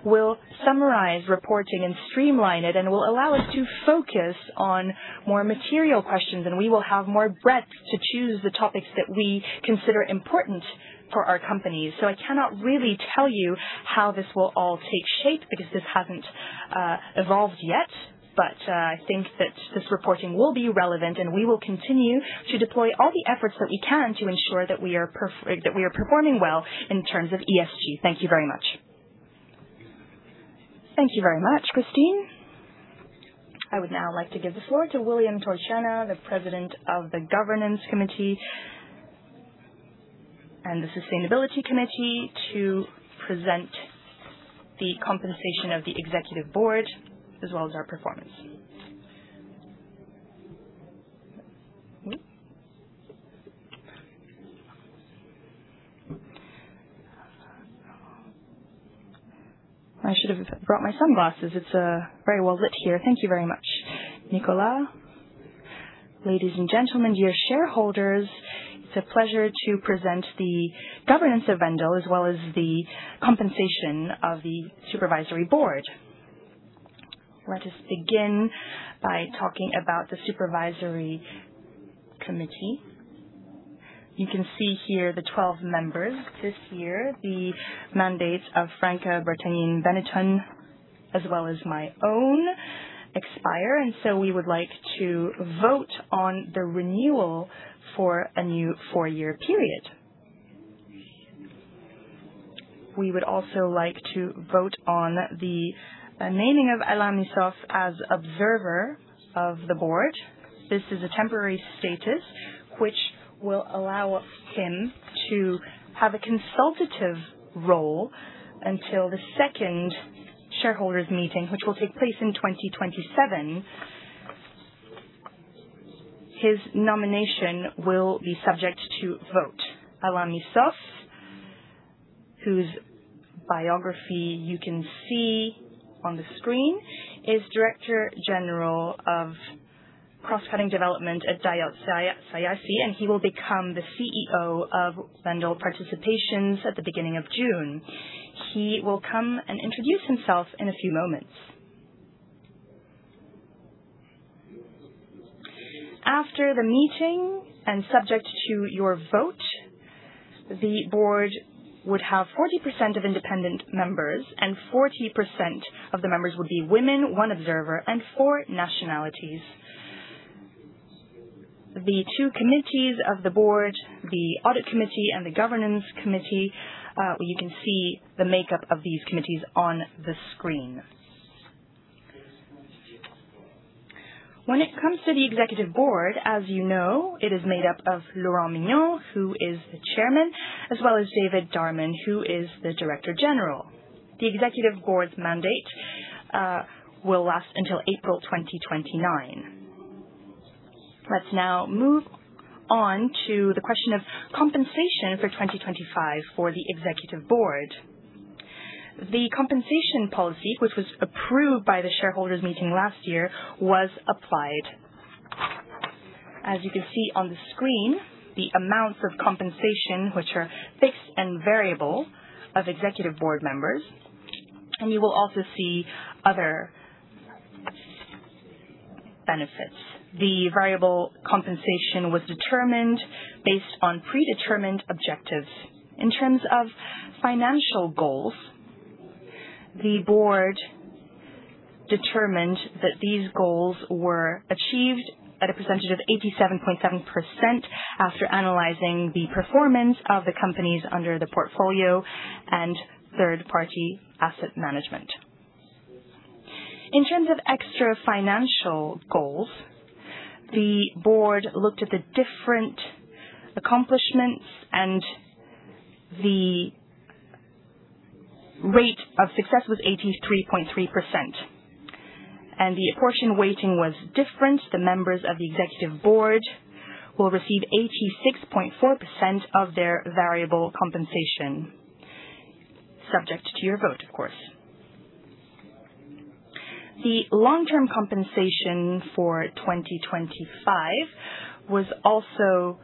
will summarize reporting and streamline it, and will allow us to focus on more material questions, and we will have more breadth to choose the topics that we consider important for our company. I cannot really tell you how this will all take shape because this hasn't evolved yet. I think that this reporting will be relevant, and we will continue to deploy all the efforts that we can to ensure that we are performing well in terms of ESG. Thank you very much. Thank you very much, Christine. I would now like to give the floor to William Torchiana, the President of the Governance Committee and the Sustainability Committee, to present the compensation of the executive board, as well as our performance. I should have brought my sunglasses. It's very well lit here. Thank you very much. Nicolas. Ladies and gentlemen, dear shareholders, it's a pleasure to present the governance of Wendel, as well as the compensation of the supervisory board. Let us begin by talking about the supervisory committee. You can see here the 12 members. This year, the mandates of Franca Bertagnin Benetton as well as my own expire, and so we would like to vote on the renewal for a new four-year period. We would also like to vote on the naming of Alain Missoffe as Observer of the Board. This is a temporary status which will allow him to have a consultative role until the second shareholders' meeting, which will take place in 2027. His nomination will be subject to vote. Alain Missoffe, whose biography you can see on the screen, is Director General of Cross-Cutting Development at Diot-Siaci, and he will become the CEO of Wendel-Participations at the beginning of June. He will come and introduce himself in a few moments. After the meeting and subject to your vote, the board would have 40% of independent members and 40% of the members would be women, one observer and four nationalities. The two committees of the board, the Audit Committee and the Governance Committee, you can see the makeup of these committees on the screen. When it comes to the executive board, as you know, it is made up of Laurent Mignon, who is the chairman, as well as David Darmon, who is the Director-General. The executive board's mandate will last until April 2029. Let's now move on to the question of compensation for 2025 for the executive board. The compensation policy, which was approved by the shareholders meeting last year, was applied. As you can see on the screen, the amounts of compensation, which are fixed and variable of executive board members, and you will also see other benefits. The variable compensation was determined based on predetermined objectives. In terms of financial goals, the board determined that these goals were achieved at a percentage of 87.7% after analyzing the performance of the companies under the portfolio and third-party asset management. In terms of extra-financial goals, the board looked at the different accomplishments, and the rate of success was 83.3%. The apportion weighting was different. The members of the executive board will receive 86.4% of their variable compensation, subject to your vote, of course. The long-term compensation for 2025 also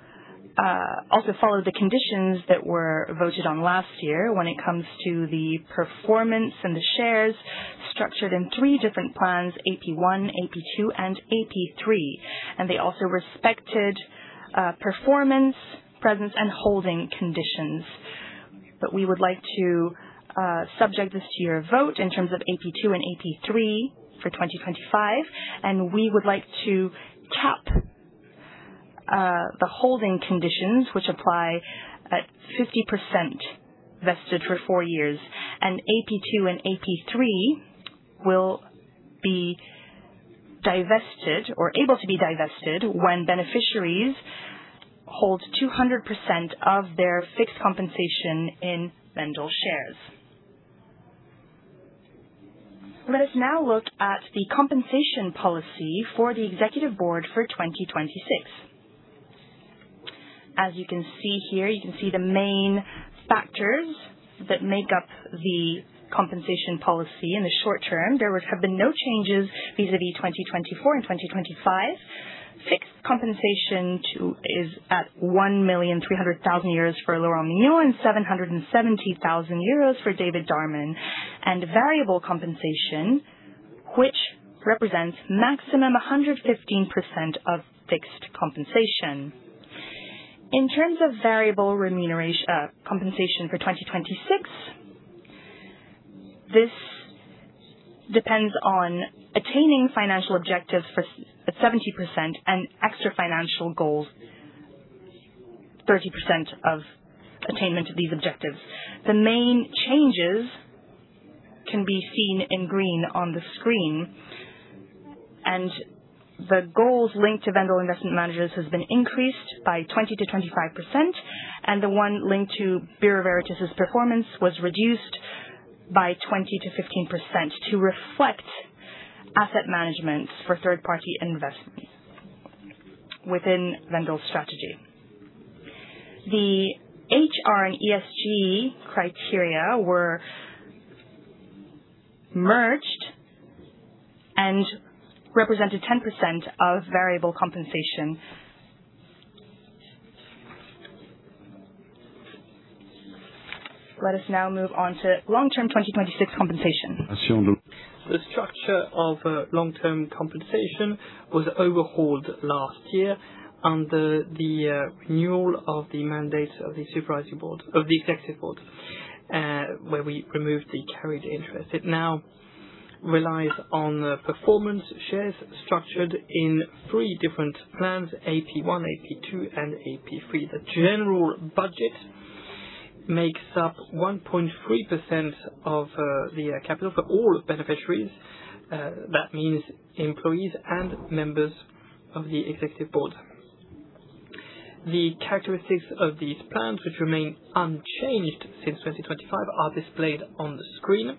followed the conditions that were voted on last year when it comes to the performance and the shares structured in three different plans, AP1, AP2, and AP3. They also respected performance, presence, and holding conditions. We would like to subject this to your vote in terms of AP2 and AP3 for 2025, and we would like to cap the holding conditions which apply at 50% vested for four years, and AP2 and AP3 will be divested or able to be divested when beneficiaries hold 200% of their fixed compensation in Wendel shares. Let us now look at the compensation policy for the executive board for 2026. As you can see here, you can see the main factors that make up the compensation policy in the short term. There have been no changes vis-à-vis 2024 and 2025. Fixed compensation is at 1,300,000 euros for Laurent Mignon and 770,000 euros for David Darmon, and variable compensation, which represents maximum 115% of fixed compensation. In terms of variable compensation for 2026, this depends on attaining financial objectives at 70% and extra-financial goals, 30% of attainment of these objectives. The main changes can be seen in green on the screen, and the goals linked to Wendel Investment Managers has been increased by 20% to 25%, and the one linked to Bureau Veritas's performance was reduced by 20% to 15% to reflect asset management for third-party investments within Wendel's strategy. The HR and ESG criteria were merged and represented 10% of variable compensation. Let us now move on to long-term 2026 compensation. The structure of long-term compensation was overhauled last year under the renewal of the mandate of the executive board, where we removed the carried interest. It now relies on the performance shares structured in three different plans, AP1, AP2, and AP3. The general budget makes up 1.3% of the capital for all beneficiaries. That means employees and members of the executive board. The characteristics of these plans, which remain unchanged since 2025, are displayed on the screen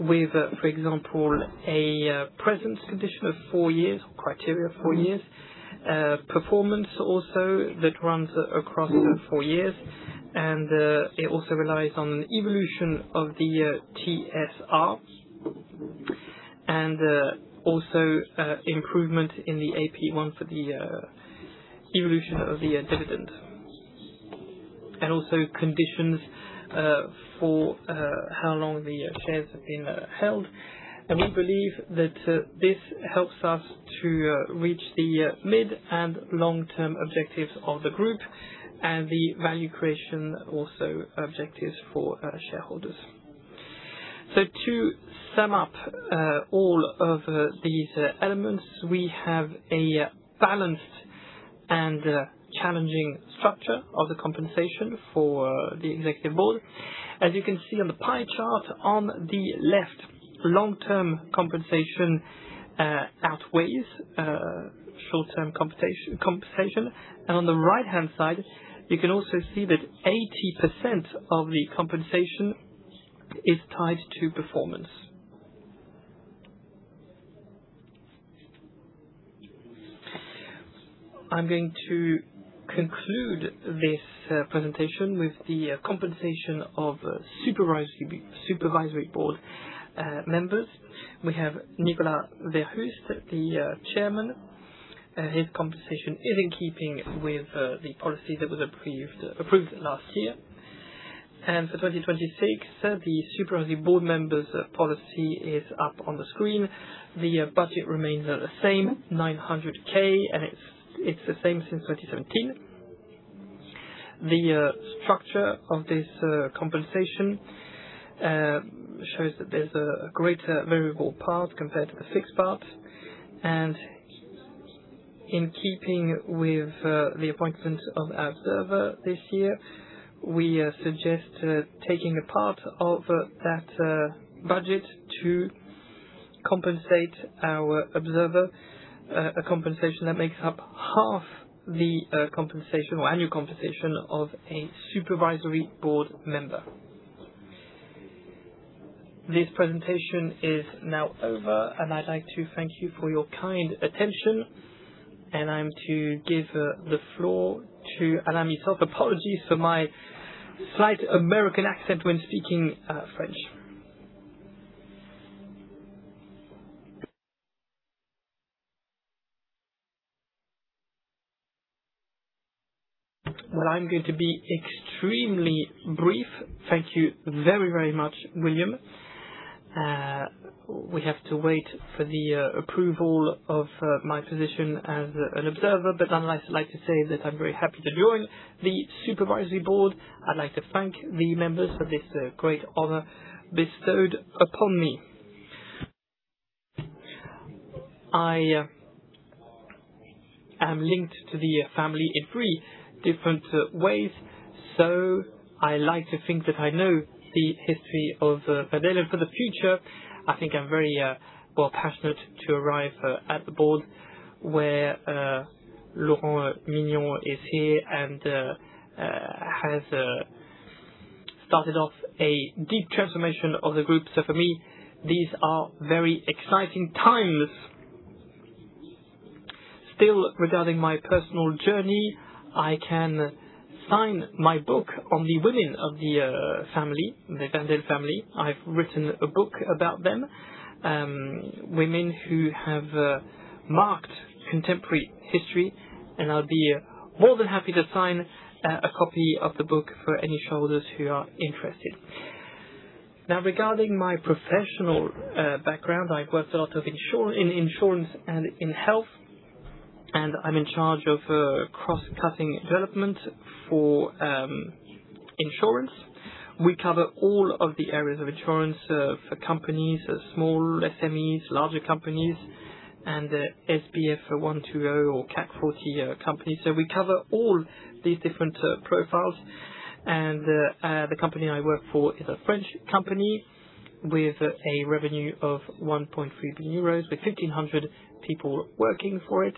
with, for example, a presence condition of four years, criteria of four years, performance also that runs across the four years, and it also relies on evolution of the TSR, and also improvement in the AP1 for the evolution of the dividend. Also conditions for how long the shares have been held. We believe that this helps us to reach the mid- and long-term objectives of the group and the value creation also objectives for shareholders. To sum up all of these elements, we have a balanced and challenging structure of the compensation for the executive board. As you can see on the pie chart on the left, long-term compensation outweighs short-term compensation. On the right-hand side, you can also see that 80% of the compensation is tied to performance. I'm going to conclude this presentation with the compensation of supervisory board members. We have Nicolas ver Hulst, the chairman. His compensation is in keeping with the policy that was approved last year. For 2026, the supervisory board members' policy is up on the screen. The budget remains the same, 900,000, and it's the same since 2017. The structure of this compensation shows that there's a greater variable part compared to the fixed part. In keeping with the appointment of Observer this year, we suggest taking a part of that budget to compensate our Observer. A compensation that makes up half the annual compensation of a Supervisory Board member. This presentation is now over, and I'd like to thank you for your kind attention, and I'm to give the floor to Alain Missoffe. Apologies for my slight American accent when speaking French. Well, I'm going to be extremely brief. Thank you very much, William. We have to wait for the approval of my position as an Observer, but I'd like to say that I'm very happy to join the Supervisory Board. I'd like to thank the members for this great honor bestowed upon me. I am linked to the family in three different ways, so I like to think that I know the history of Wendel. For the future, I think I'm very passionate to arrive at the board where Laurent Mignon is here and has started off a deep transformation of the group. For me, these are very exciting times. Still, regarding my personal journey, I can sign my book on the women of the Wendel family. I've written a book about them, women who have marked contemporary history, and I'll be more than happy to sign a copy of the book for any shareholders who are interested. Now, regarding my professional background, I've worked a lot in insurance and in health, and I'm in charge of cross-cutting development for insurance. We cover all of the areas of insurance for companies, small SMEs, larger companies, and SBF 120 or CAC 40 companies. We cover all these different profiles. The company I work for is a French company with a revenue of 1.3 billion euros, with 1,500 people working for it.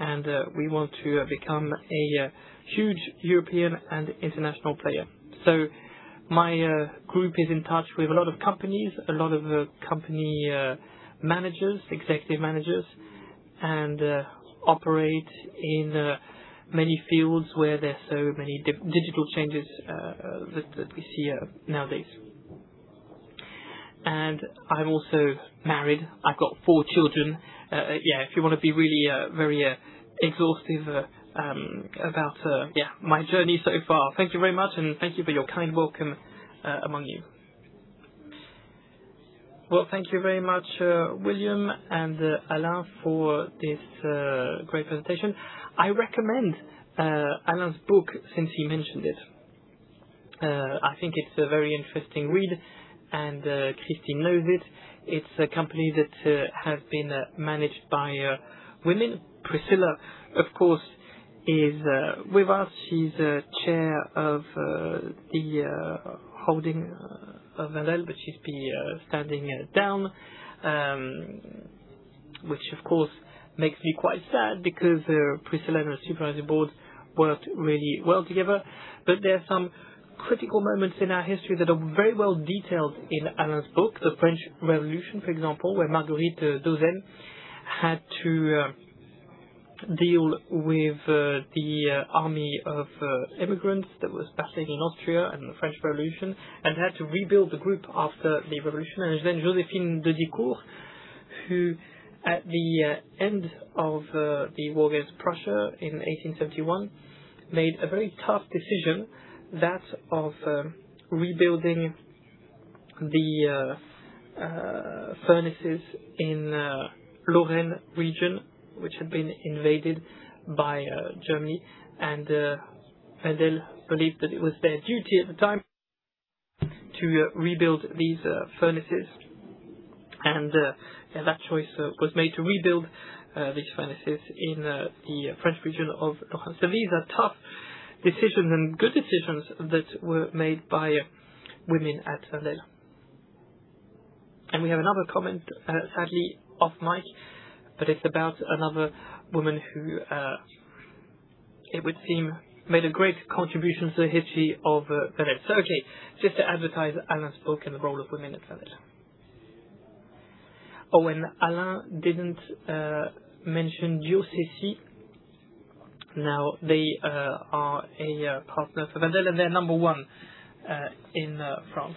We want to become a huge European and international player. My group is in touch with a lot of companies, a lot of company managers, executive managers, and operate in many fields where there are so many digital changes that we see nowadays. I'm also married. I've got four children. If you want to be really very exhaustive about my journey so far. Thank you very much, and thank you for your kind welcome among you. Thank you very much, William and Alain, for this great presentation. I recommend Alain's book since he mentioned it. I think it's a very interesting read, and Christine knows it. It's a company that has been managed by women. Priscilla, of course, is with us. She's chair of the holding of Wendel, but she's standing down, which of course, makes me quite sad because Priscilla and the supervisory board worked really well together. There are some critical moments in our history that are very well detailed in Alain's book. The French Revolution, for example, where Marguerite d'Hausen had to deal with the army of immigrants that was battling Austria and the French Revolution and had to rebuild the group after the revolution. Then Joséphine de Dieuleveult, who at the end of the war against Prussia in 1871, made a very tough decision, that of rebuilding the furnaces in Lorraine region, which had been invaded by Germany, and Wendel believed that it was their duty at the time to rebuild these furnaces. That choice was made to rebuild these furnaces in the French region of Lorraine. These are tough decisions and good decisions that were made by women at Wendel. We have another comment, sadly, off mic, but it's about another woman who, it would seem, made a great contribution to the history of Wendel. Okay, just to advertise Alain's book and the role of women at Wendel. Alain didn't mention Diot-Siaci. Now they are a partner for Wendel, and they're number one in France.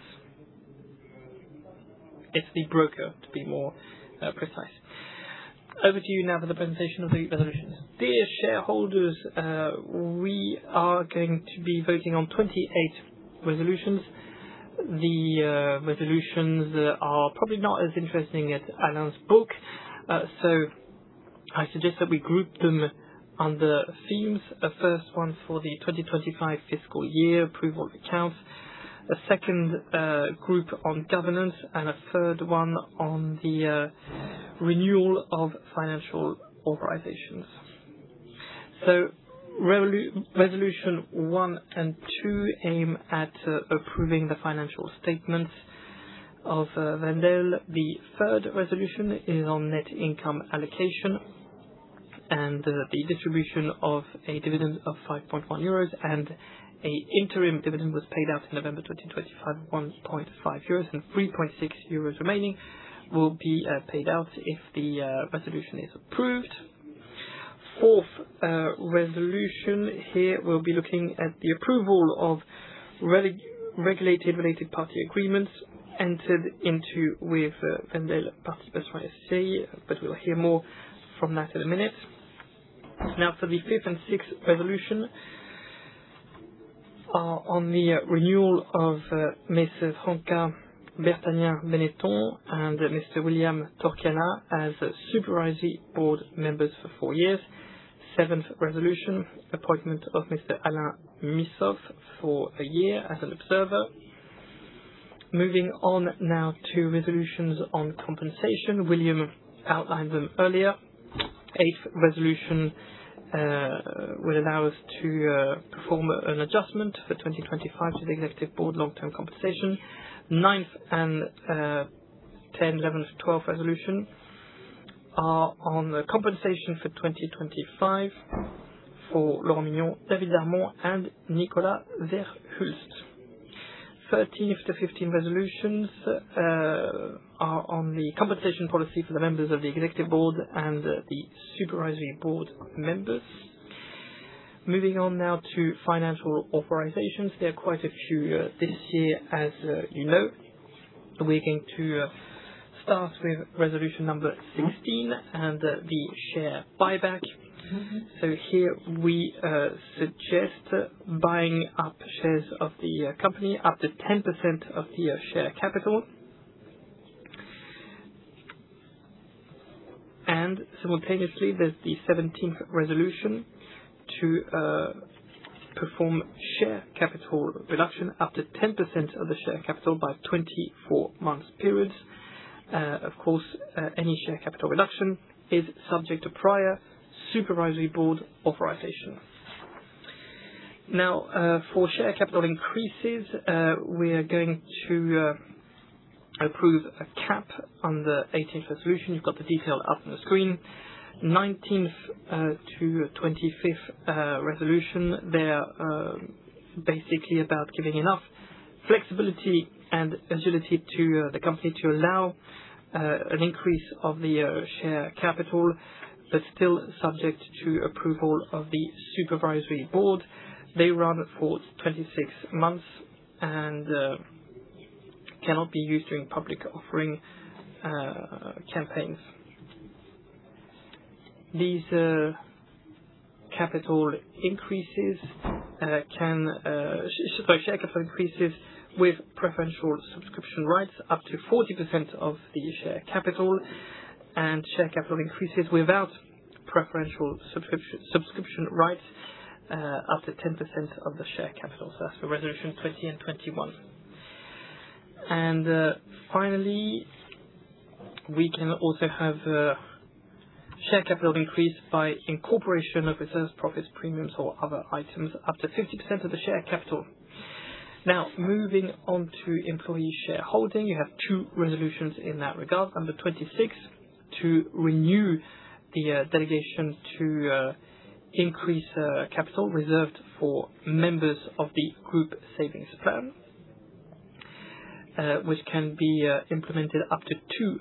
It's the broker, to be more precise. Over to you now for the presentation of the resolutions. Dear shareholders, we are going to be voting on 28 resolutions. The resolutions are probably not as interesting as Alain's book. I suggest that we group them under themes. The first one for the 2025 fiscal year, approval of accounts, a second group on governance, and a third one on the renewal of financial authorizations. Resolution one and two aim at approving the financial statements of Wendel. The third resolution is on net income allocation and the distribution of a dividend of 5.1 euros and an interim dividend was paid out in November 2025, 1.5 euros and 3.6 euros remaining will be paid out if the resolution is approved. Fourth resolution here, we'll be looking at the approval of regulated related party agreements entered into with Wendel-Participations SE, we'll hear more from that in a minute. For the fifth and sixth resolution are on the renewal of Mrs. Franca Bertagnin Benetton and Mr. William Torchiana as Supervisory Board members for four years. Seventh resolution, appointment of Mr. Alain Missoffe for a year as an observer. Moving on now to resolutions on compensation. William outlined them earlier. Eight resolution will allow us to perform an adjustment for 2025 to the Executive Board long-term compensation. Ninth and tenth, eleventh, twelveth resolution are on the compensation for 2025 for Laurent Mignon, David Darmon, and Nicolas ver Hulst. thirteenth to fifteenth resolutions are on the compensation policy for the members of the executive board and the supervisory board members. Moving on now to financial authorizations. There are quite a few this year, as you know. We're going to start with resolution number 16 and the share buyback. Here we suggest buying up shares of the company up to 10% of the share capital. Simultaneously, there's the Seventeenth resolution to perform share capital reduction up to 10% of the share capital by 24 months periods. Of course, any share capital reduction is subject to prior supervisory board authorization. For share capital increases, we are going to approve a cap on the Eighteenth resolution. You've got the detail up on the screen. Nineteenth to twenty-fifth resolution, they are basically about giving enough flexibility and agility to the company to allow an increase of the share capital, but still subject to approval of the Supervisory Board. They run for 26 months and cannot be used during public offering campaigns. These share capital increases with preferential subscription rights up to 40% of the share capital, and share capital increases without preferential subscription rights up to 10% of the share capital. That's for resolution 20 and 21. Finally, we can also have share capital increase by incorporation of reserves, profits, premiums, or other items up to 50% of the share capital. Now, moving on to employee shareholding. You have two resolutions in that regard. Number 26, to renew the delegation to increase capital reserved for members of the group savings plan, which can be implemented up to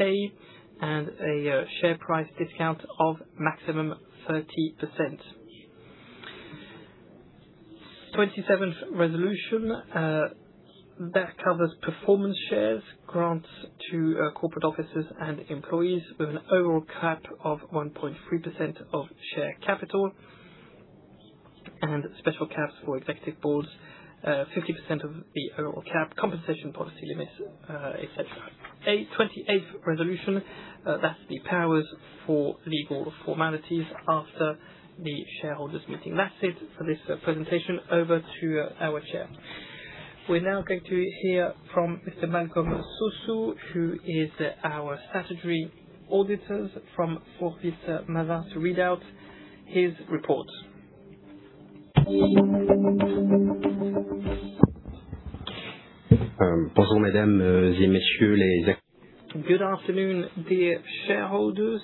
200K and a share price discount of maximum 30%. Twenty-seventh resolution, that covers performance shares, grants to corporate officers and employees with an overall cap of 1.3% of share capital and special caps for executive boards, 50% of the overall cap, compensation policy limits, et cetera. A twenty-eighth resolution, that's the powers for legal formalities after the shareholders' meeting. That's it for this presentation. Over to our chair. We're now going to hear from Mr. Malcom Sossou, who is our statutory auditors from Forvis Mazars, to read out his report. Good afternoon, dear shareholders.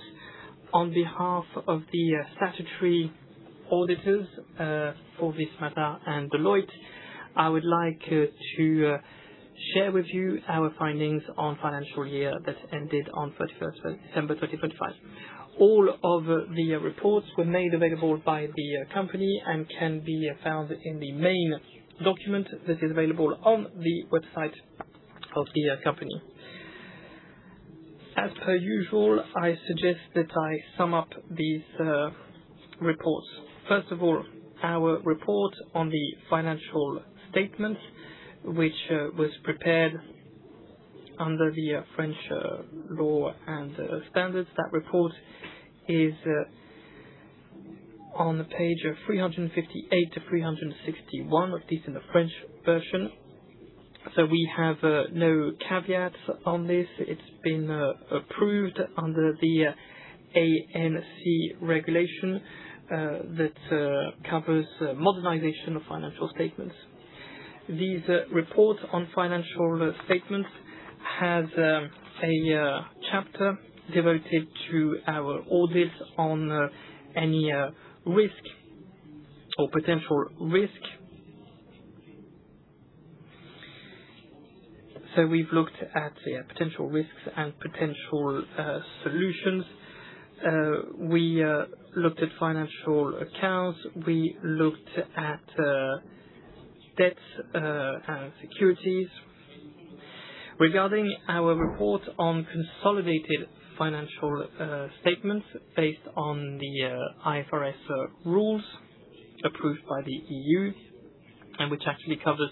On behalf of the statutory auditors Forvis Mazars and Deloitte, I would like to share with you our findings on financial year that ended on December 31st, 2025. All of the reports were made available by the company and can be found in the main document that is available on the website of the company. As per usual, I suggest that I sum up these reports. First of all, our report on the financial statements, which was prepared under the French law and standards. That report is on page 358-361 of this in the French version. We have no caveats on this. It's been approved under the AMF regulation that covers modernization of financial statements. These reports on financial statements has a chapter devoted to our audits on any risk or potential risk. We've looked at the potential risks and potential solutions. We looked at financial accounts. We looked at debts and securities. Regarding our report on consolidated financial statements based on the IFRS rules approved by the EU, and which actually covers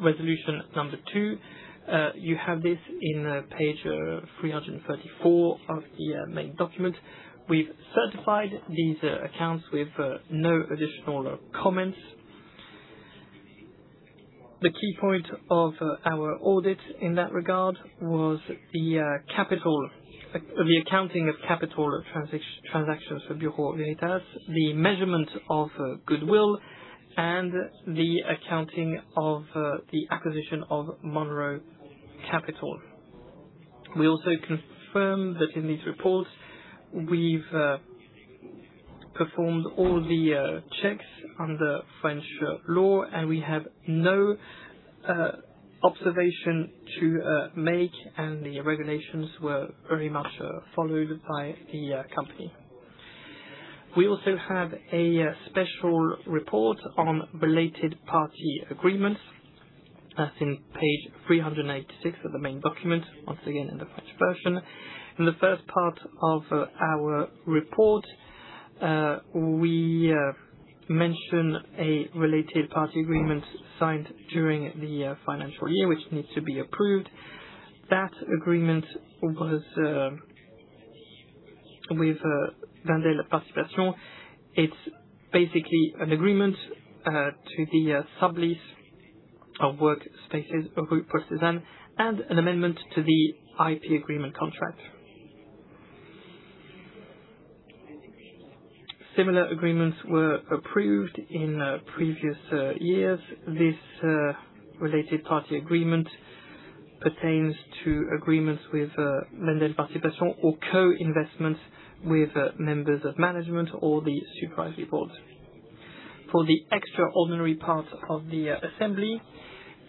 resolution number two, you have this in page 334 of the main document. We've certified these accounts with no additional comments. The key point of our audit in that regard was the accounting of capital transactions for Bureau Veritas, the measurement of goodwill, and the accounting of the acquisition of Monroe Capital. We also confirm that in these reports, we've performed all the checks under French law, and we have no observation to make, and the regulations were very much followed by the company. We also have a special report on related party agreements. That's in page 386 of the main document, once again, in the French version. In the first part of our report, we mention a related party agreement signed during the financial year, which needs to be approved. That agreement was with Wendel-Participations. It's basically an agreement to the sublease of work spaces of Group Process and an amendment to the IP agreement contract. Similar agreements were approved in previous years. This related party agreement pertains to agreements with Wendel-Participations or co-investments with members of management or the Supervisory Board. For the extraordinary part of the assembly,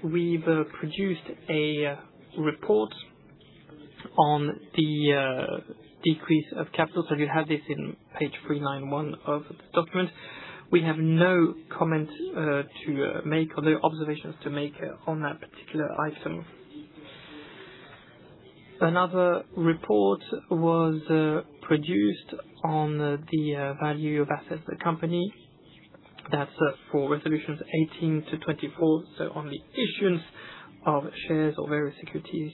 we've produced a report on the decrease of capital. You have this in page 391 of the document. We have no comment to make or no observations to make on that particular item. Another report was produced on the value of assets of the company. That's for resolutions 18 to 24, on the issuance of shares or various securities,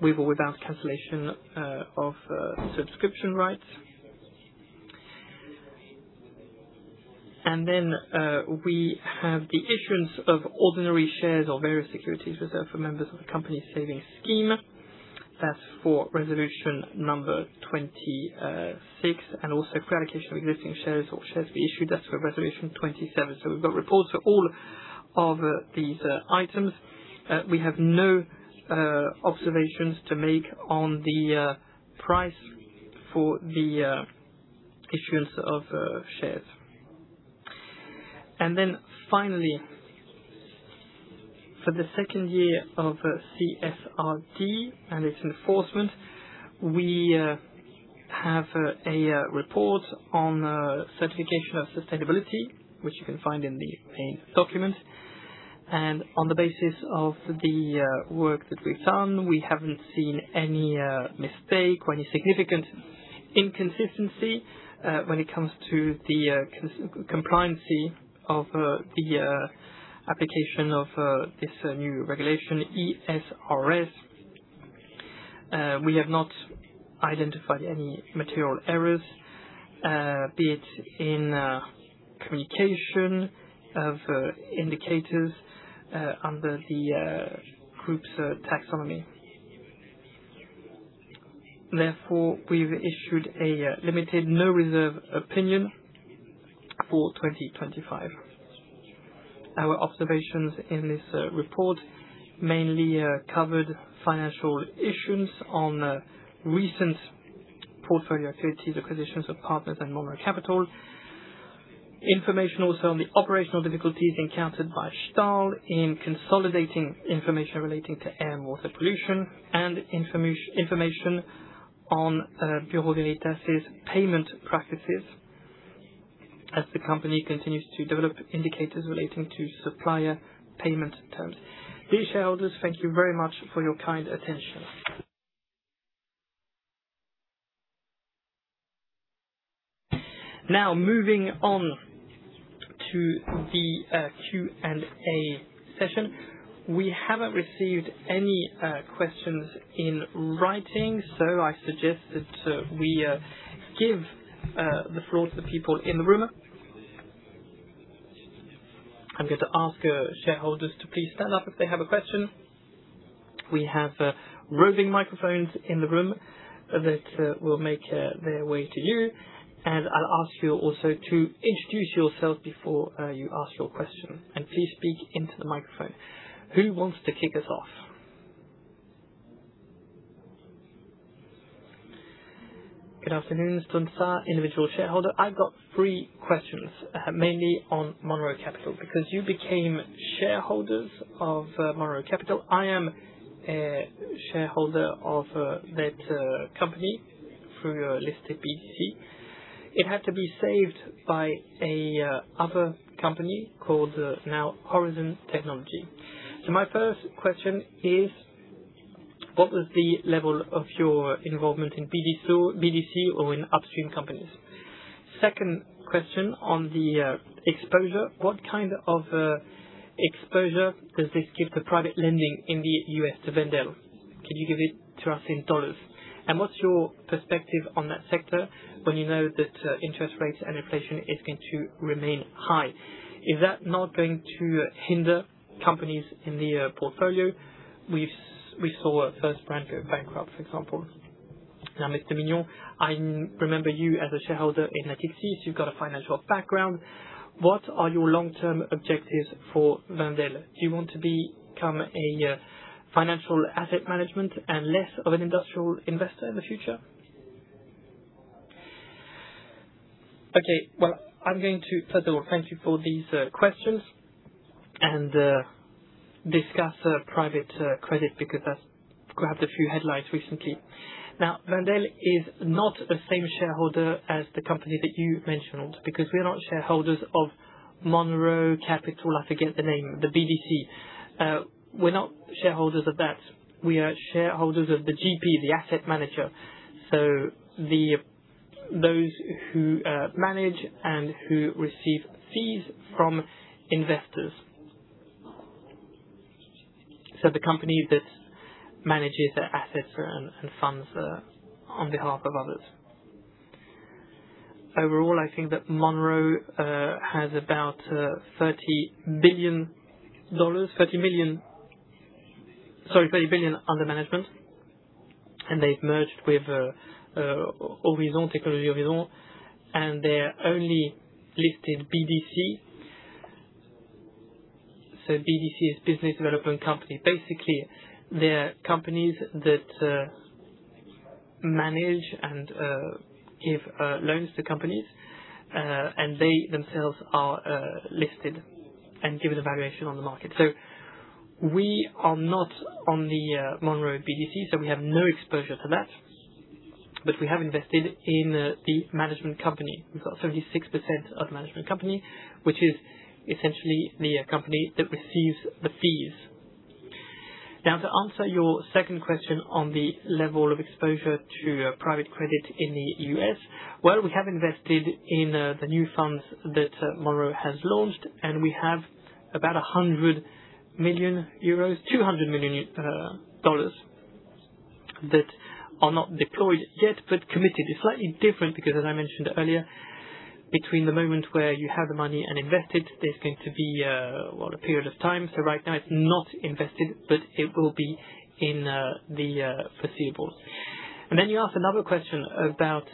with or without cancellation of subscription rights. We have the issuance of ordinary shares or various securities reserved for members of the company savings scheme. That's for resolution number 26, gratification of existing shares or shares to be issued. That's for resolution 27. We've got reports for all of these items. We have no observations to make on the price for the issuance of shares. For the second year of CSRD and its enforcement, we have a report on certification of sustainability, which you can find in the main document. On the basis of the work that we've done, we haven't seen any mistake or any significant inconsistency when it comes to the compliancy of the application of this new regulation, ESRS. We have not identified any material errors, be it in communication of indicators under the group's taxonomy. Therefore, we've issued a limited no-reserve opinion for 2025. Our observations in this report mainly covered financial issues on recent portfolio activities, acquisitions of partners, and Monroe Capital. Information also on the operational difficulties encountered by Stahl in consolidating information relating to air and water pollution, and information on Bureau Veritas' payment practices as the company continues to develop indicators relating to supplier payment terms. Dear shareholders, thank you very much for your kind attention. Now, moving on to the Q&A session. We haven't received any questions in writing. I suggest that we give the floor to the people in the room. I'm going to ask shareholders to please stand up if they have a question. We have roving microphones in the room that will make their way to you. I'll ask you also to introduce yourself before you ask your question. Please speak into the microphone. Who wants to kick us off? Good afternoon. Stunza, individual shareholder. I've got three questions, mainly on Monroe Capital, because you became shareholders of Monroe Capital. I am a shareholder of that company through a listed BDC. It had to be saved by other company called now Horizon Technology. My first question is, what was the level of your involvement in BDC or in upstream companies? Second question on the exposure. What kind of exposure does this give to private lending in the U.S. to Wendel? Can you give it to us in dollars? What's your perspective on that sector when you know that interest rates and inflation is going to remain high? Is that not going to hinder companies in the portfolio? We saw First Brands go bankrupt, for example. Now, Mr. Mignon, I remember you as a shareholder in Natixis. You've got a financial background. What are your long-term objectives for Wendel? Do you want to become a financial asset management and less of an industrial investor in the future? Okay. Well, I'm going to further thank you for these questions and discuss private credit because that grabbed a few headlines recently. Now, Wendel is not the same shareholder as the company that you mentioned, because we are not shareholders of Monroe Capital. I forget the name, the BDC. We're not shareholders of that. We are shareholders of the GP, the asset manager. Those who manage and who receive fees from investors. The company that manages the assets and funds on behalf of others. Overall, I think that Monroe has about 30 billion under management, and they've merged with Horizon Technology, and their only listed BDC. BDC is business development company. Basically, they're companies that manage and give loans to companies, and they themselves are listed and given a valuation on the market. We are not on the Monroe BDC, so we have no exposure to that. We have invested in the management company. We've got 36% of the management company, which is essentially the company that receives the fees. To answer your second question on the level of exposure to private credit in the U.S., well, we have invested in the new funds that Monroe has launched, and we have about 100 million euros, $200 million that are not deployed yet, but committed. It's slightly different because as I mentioned earlier, between the moment where you have the money and invest it, there's going to be, well, a period of time. Right now it's not invested, but it will be in the foreseeable. You asked another question about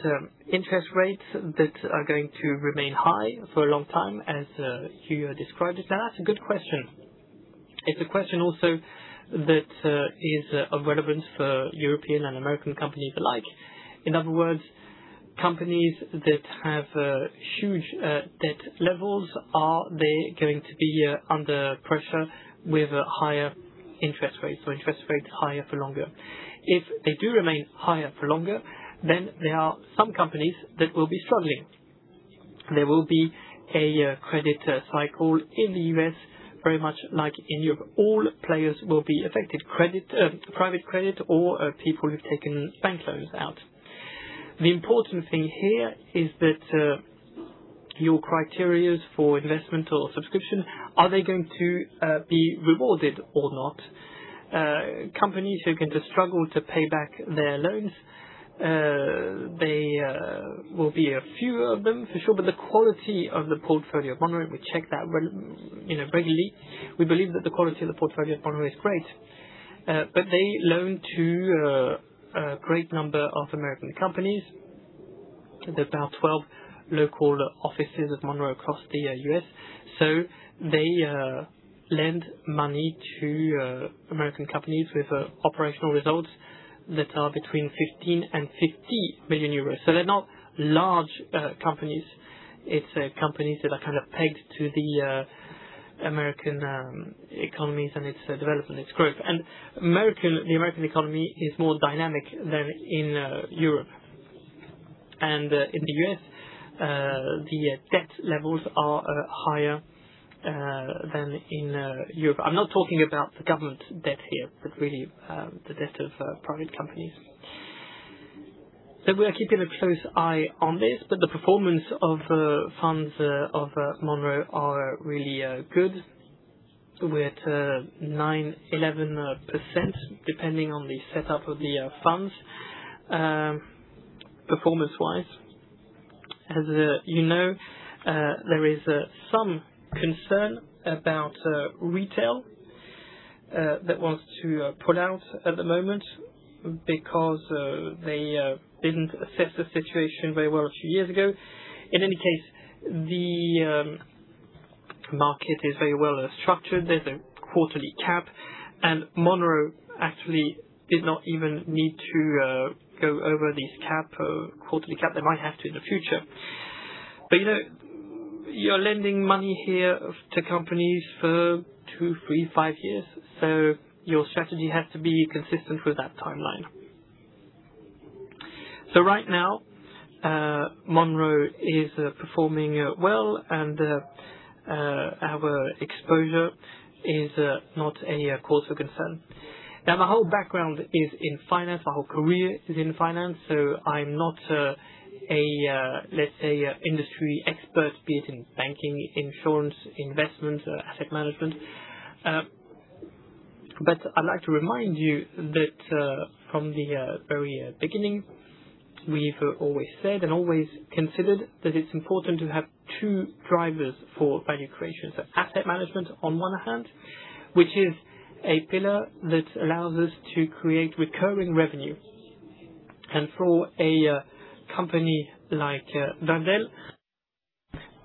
interest rates that are going to remain high for a long time, as you described it. That's a good question. It's a question also that is of relevance for European and American companies alike. In other words, companies that have huge debt levels, are they going to be under pressure with higher interest rates, so interest rates higher for longer? If they do remain higher for longer, there are some companies that will be struggling. There will be a credit cycle in the U.S., very much like in Europe. All players will be affected. Private credit or people who've taken bank loans out. The important thing here is that your criteria for investment or subscription, are they going to be rewarded or not? Companies who are going to struggle to pay back their loans, there will be a few of them for sure. The quality of the portfolio at Monroe, we check that regularly. We believe that the quality of the portfolio at Monroe is great. They loan to a great number of American companies. There are about 12 local offices of Monroe across the U.S. They lend money to American companies with operational results that are between 15 million and 50 million euros. They're not large companies. It's companies that are pegged to the American economies and its development, its growth. The American economy is more dynamic than in Europe. In the U.S., the debt levels are higher than in Europe. I'm not talking about the government debt here, but really the debt of private companies. We are keeping a close eye on this, but the performance of funds of Monroe are really good with 9%, 11%, depending on the setup of the funds performance-wise. As you know, there is some concern about retail that wants to pull out at the moment because they didn't assess the situation very well a few years ago. In any case, the market is very well structured. There's a quarterly cap. Monroe actually did not even need to go over this quarterly cap. They might have to in the future. You're lending money here to companies for two, three, five years. Your strategy has to be consistent with that timeline. Right now, Monroe is performing well. Our exposure is not a cause for concern. My whole background is in finance. My whole career is in finance. I'm not, let's say, an industry expert, be it in banking, insurance, investment, asset management. I'd like to remind you that from the very beginning, we've always said and always considered that it's important to have two drivers for value creation. Asset management on one hand, which is a pillar that allows us to create recurring revenue. For a company like Wendel,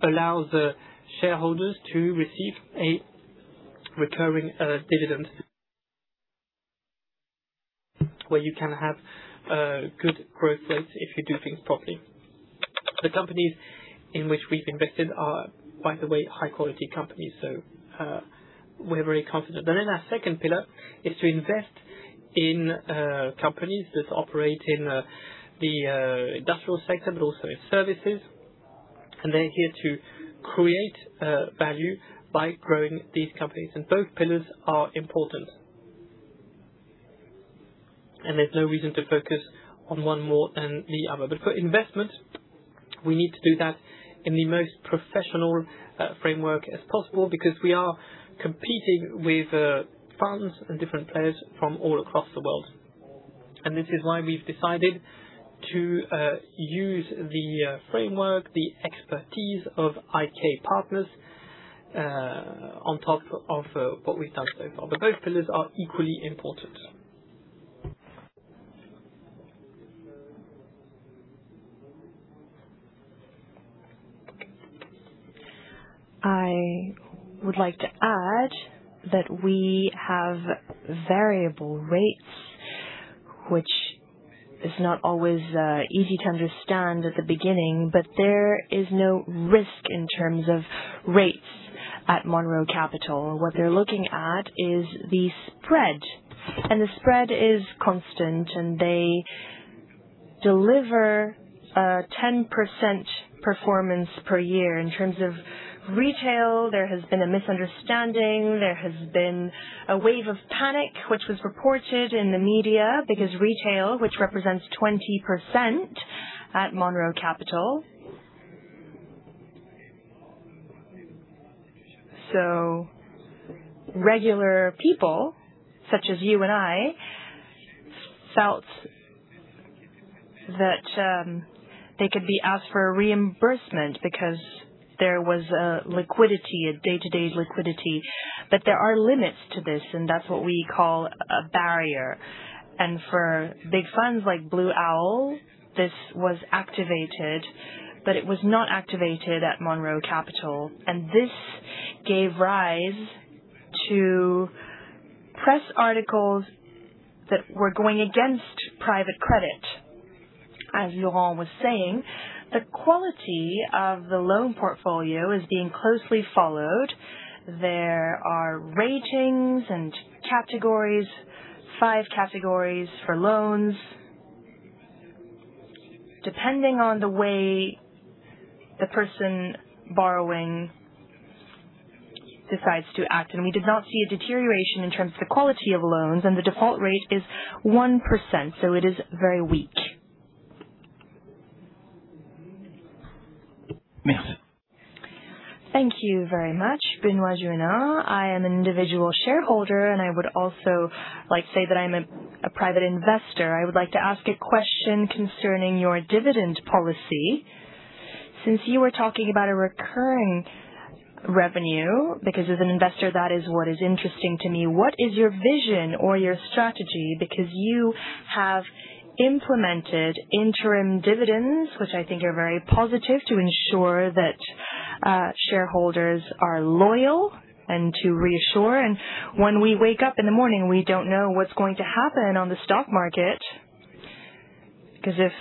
allows the shareholders to receive a recurring dividend where you can have good growth rates if you do things properly. The companies in which we've invested are, by the way, high-quality companies. We're very confident. Our second pillar is to invest in companies that operate in the industrial sector, but also in services. They're here to create value by growing these companies. Both pillars are important. There's no reason to focus on one more than the other. For investment, we need to do that in the most professional framework as possible because we are competing with funds and different players from all across the world. This is why we've decided to use the framework, the expertise of IK Partners on top of what we've done so far. Both pillars are equally important. I would like to add that we have variable rates, which is not always easy to understand at the beginning, but there is no risk in terms of rates at Monroe Capital. What they're looking at is the spread, and the spread is constant, and they deliver a 10% performance per year. In terms of retail, there has been a misunderstanding. There has been a wave of panic, which was reported in the media because retail, which represents 20% at Monroe Capital. Regular people such as you and I felt that they could be asked for a reimbursement because there was a liquidity, a day-to-day liquidity. There are limits to this, and that's what we call a barrier. For big funds like Blue Owl, this was activated, but it was not activated at Monroe Capital, and this gave rise to press articles that were going against private credit. As Laurent was saying, the quality of the loan portfolio is being closely followed. There are ratings and categories, five categories for loans, depending on the way the person borrowing decides to act, and we did not see a deterioration in terms of the quality of loans, and the default rate is 1%, so it is very weak. Thank you very much. Benoît Hennaut. I am an individual shareholder, and I would also like to say that I'm a private investor. I would like to ask a question concerning your dividend policy. Since you were talking about a recurring revenue, because as an investor, that is what is interesting to me, what is your vision or your strategy? Because you have implemented interim dividends, which I think are very positive to ensure that shareholders are loyal and to reassure. When we wake up in the morning, we don't know what's going to happen on the stock market, because if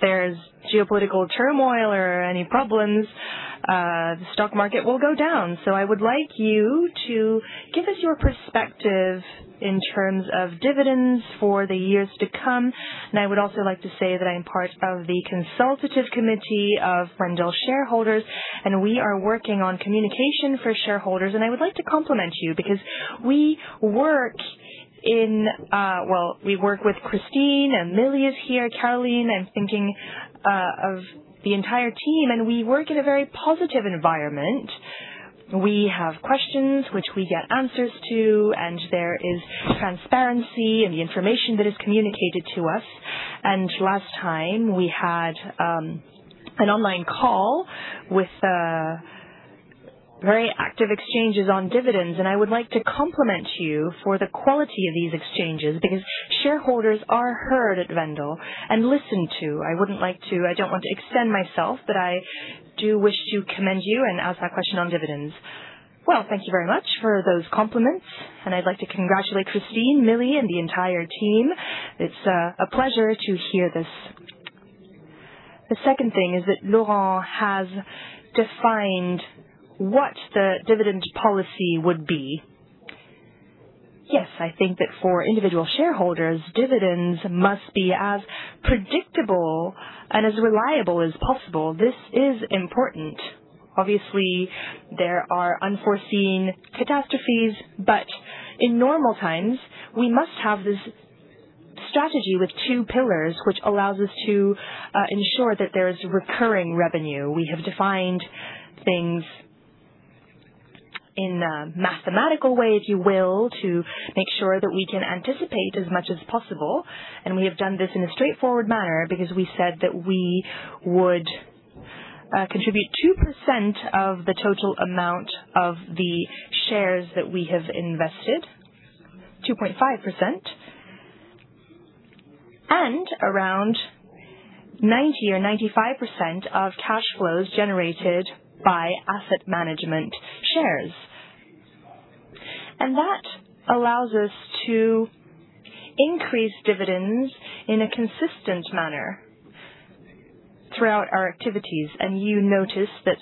there's geopolitical turmoil or any problems, the stock market will go down. I would like you to give us your perspective in terms of dividends for the years to come. I would also like to say that I'm part of the consultative committee of Wendel shareholders, and we are working on communication for shareholders, and I would like to compliment you because we work with Christine, and Millie is here, Caroline, I'm thinking of the entire team, and we work in a very positive environment. We have questions which we get answers to, and there is transparency in the information that is communicated to us. Last time we had an online call with very active exchanges on dividends, and I would like to compliment you for the quality of these exchanges because shareholders are heard at Wendel and listened to. I don't want to extend myself, but I do wish to commend you and ask that question on dividends. Thank you very much for those compliments, and I'd like to congratulate Christine, Millie, and the entire team. It's a pleasure to hear this. The second thing is that Laurent has defined what the dividend policy would be. I think that for individual shareholders, dividends must be as predictable and as reliable as possible. This is important. Obviously, there are unforeseen catastrophes, but in normal times, we must have this strategy with two pillars, which allows us to ensure that there is recurring revenue. We have defined things in a mathematical way, if you will, to make sure that we can anticipate as much as possible. We have done this in a straightforward manner because we said that we would contribute 2% of the total amount of the shares that we have invested, 2.5%, and around 90% or 95% of cash flows generated by asset management shares. That allows us to increase dividends in a consistent manner throughout our activities. You notice that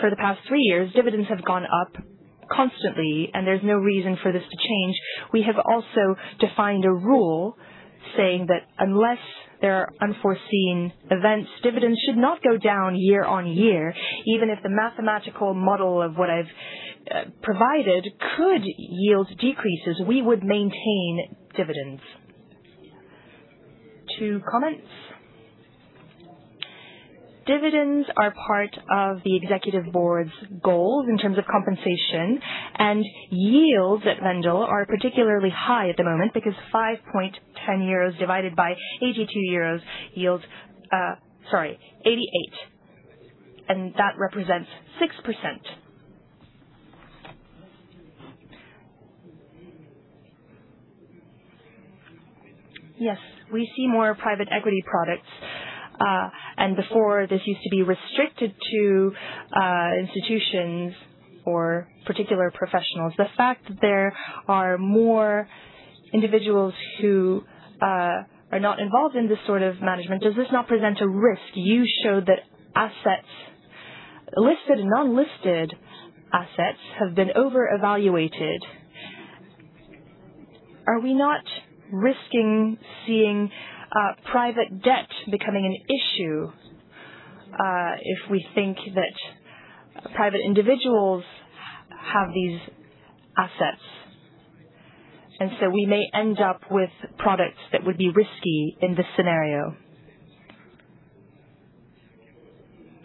for the past three years, dividends have gone up constantly, and there's no reason for this to change. We have also defined a rule saying that unless there are unforeseen events, dividends should not go down year-on-year. Even if the mathematical model of what I've provided could yield decreases, we would maintain dividends. Two comments. Dividends are part of the executive board's goals in terms of compensation, and yields at Wendel are particularly high at the moment because 5.10 euros divided by 82 euros yields, sorry, 88, and that represents 6%. Yes, we see more private equity products. Before, this used to be restricted to institutions or particular professionals. The fact that there are more individuals who are not involved in this sort of management, does this not present a risk? You showed that listed and unlisted assets have been over-evaluated. Are we not risking seeing private debt becoming an issue if we think that private individuals have these assets? We may end up with products that would be risky in this scenario.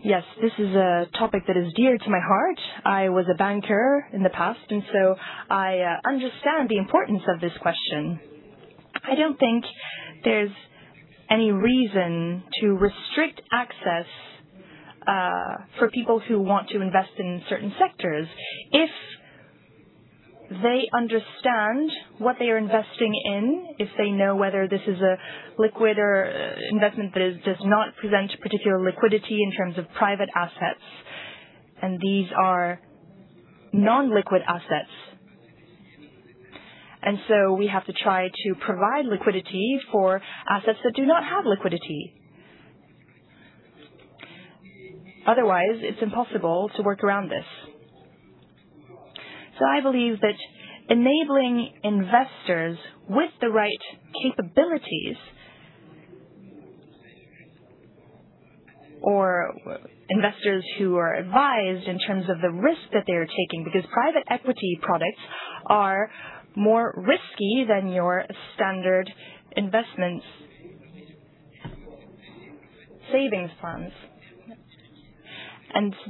Yes, this is a topic that is dear to my heart. I was a banker in the past, and so I understand the importance of this question. I don't think there's any reason to restrict access for people who want to invest in certain sectors. If they understand what they are investing in, if they know whether this is a liquid or investment that does not present particular liquidity in terms of private assets, and these are non-liquid assets. We have to try to provide liquidity for assets that do not have liquidity. Otherwise, it's impossible to work around this. I believe that enabling investors with the right capabilities or investors who are advised in terms of the risk that they are taking, because private equity products are more risky than your standard investment savings funds.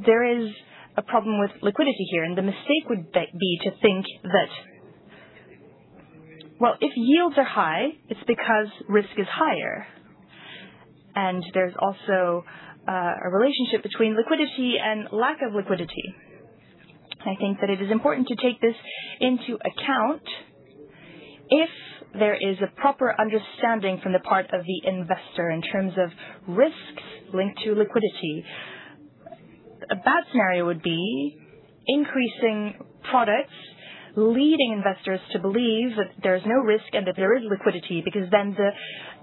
There is a problem with liquidity here, and the mistake would be to think that if yields are high, it's because risk is higher. There's also a relationship between liquidity and lack of liquidity. I think that it is important to take this into account if there is a proper understanding from the part of the investor in terms of risks linked to liquidity. A bad scenario would be increasing products leading investors to believe that there is no risk and that there is liquidity, because then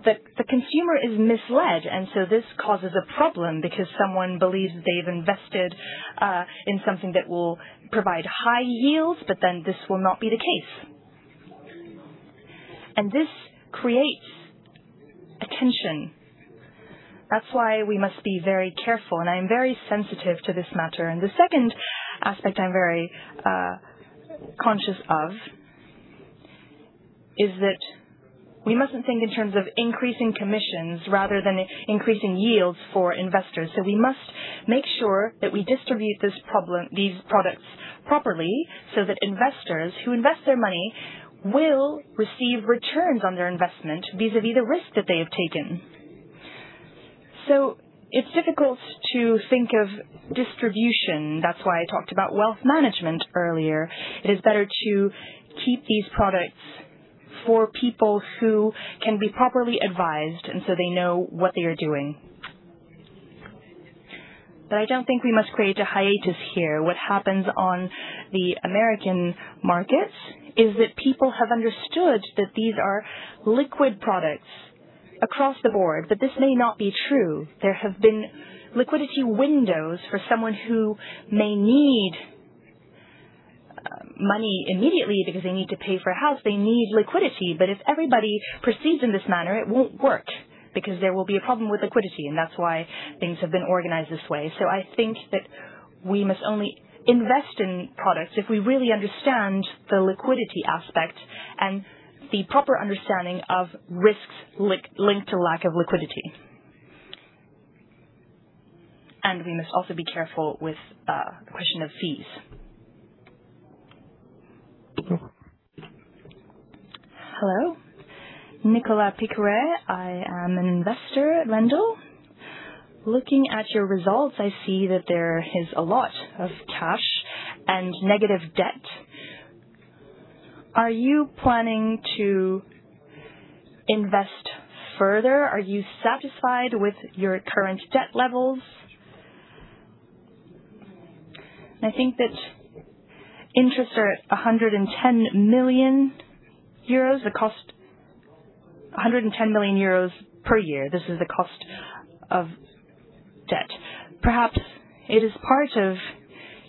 the consumer is misled, and so this causes a problem because someone believes they've invested in something that will provide high yields, but then this will not be the case. This creates a tension. That's why we must be very careful, and I am very sensitive to this matter. The second aspect I'm very conscious of is that we mustn't think in terms of increasing commissions rather than increasing yields for investors. We must make sure that we distribute these products properly so that investors who invest their money will receive returns on their investment vis-à-vis the risk that they have taken. It's difficult to think of distribution. That's why I talked about wealth management earlier. It is better to keep these products for people who can be properly advised, and so they know what they are doing. I don't think we must create a hiatus here. What happens on the American market is that people have understood that these are liquid products across the board, but this may not be true. There have been liquidity windows for someone who may need money immediately because they need to pay for a house. They need liquidity. If everybody perceives in this manner, it won't work because there will be a problem with liquidity, and that's why things have been organized this way. I think that we must only invest in products if we really understand the liquidity aspect and the proper understanding of risks linked to lack of liquidity. We must also be careful with the question of fees. Hello. Nicolas Piqueray. I am an investor at Wendel. Looking at your results, I see that there is a lot of cash and negative debt. Are you planning to invest further? Are you satisfied with your current debt levels? I think that interests are at 110 million euros per year. This is the cost of debt. Perhaps it is part of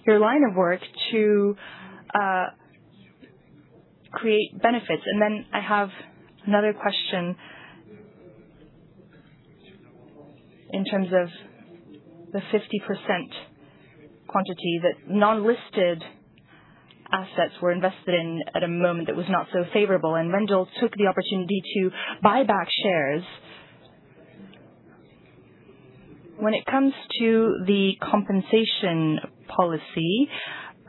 your line of work to create benefits. I have another question in terms of the 50% quantity that non-listed assets were invested in at a moment that was not so favorable, and Wendel took the opportunity to buy back shares. When it comes to the compensation policy,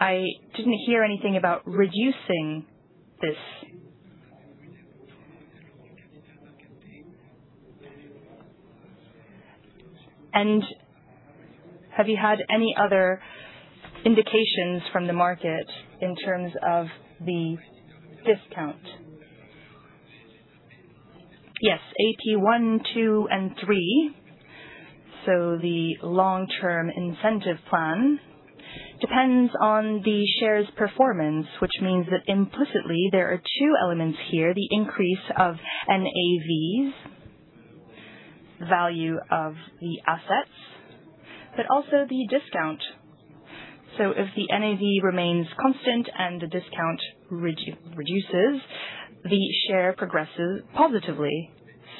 I didn't hear anything about reducing this. Have you had any other indications from the market in terms of the discount? Yes, AP1, AP2, and AP3. The long-term incentive plan depends on the share's performance, which means that implicitly, there are two elements here, the increase of NAVs, value of the assets, but also the discount. If the NAV remains constant and the discount reduces, the share progresses positively.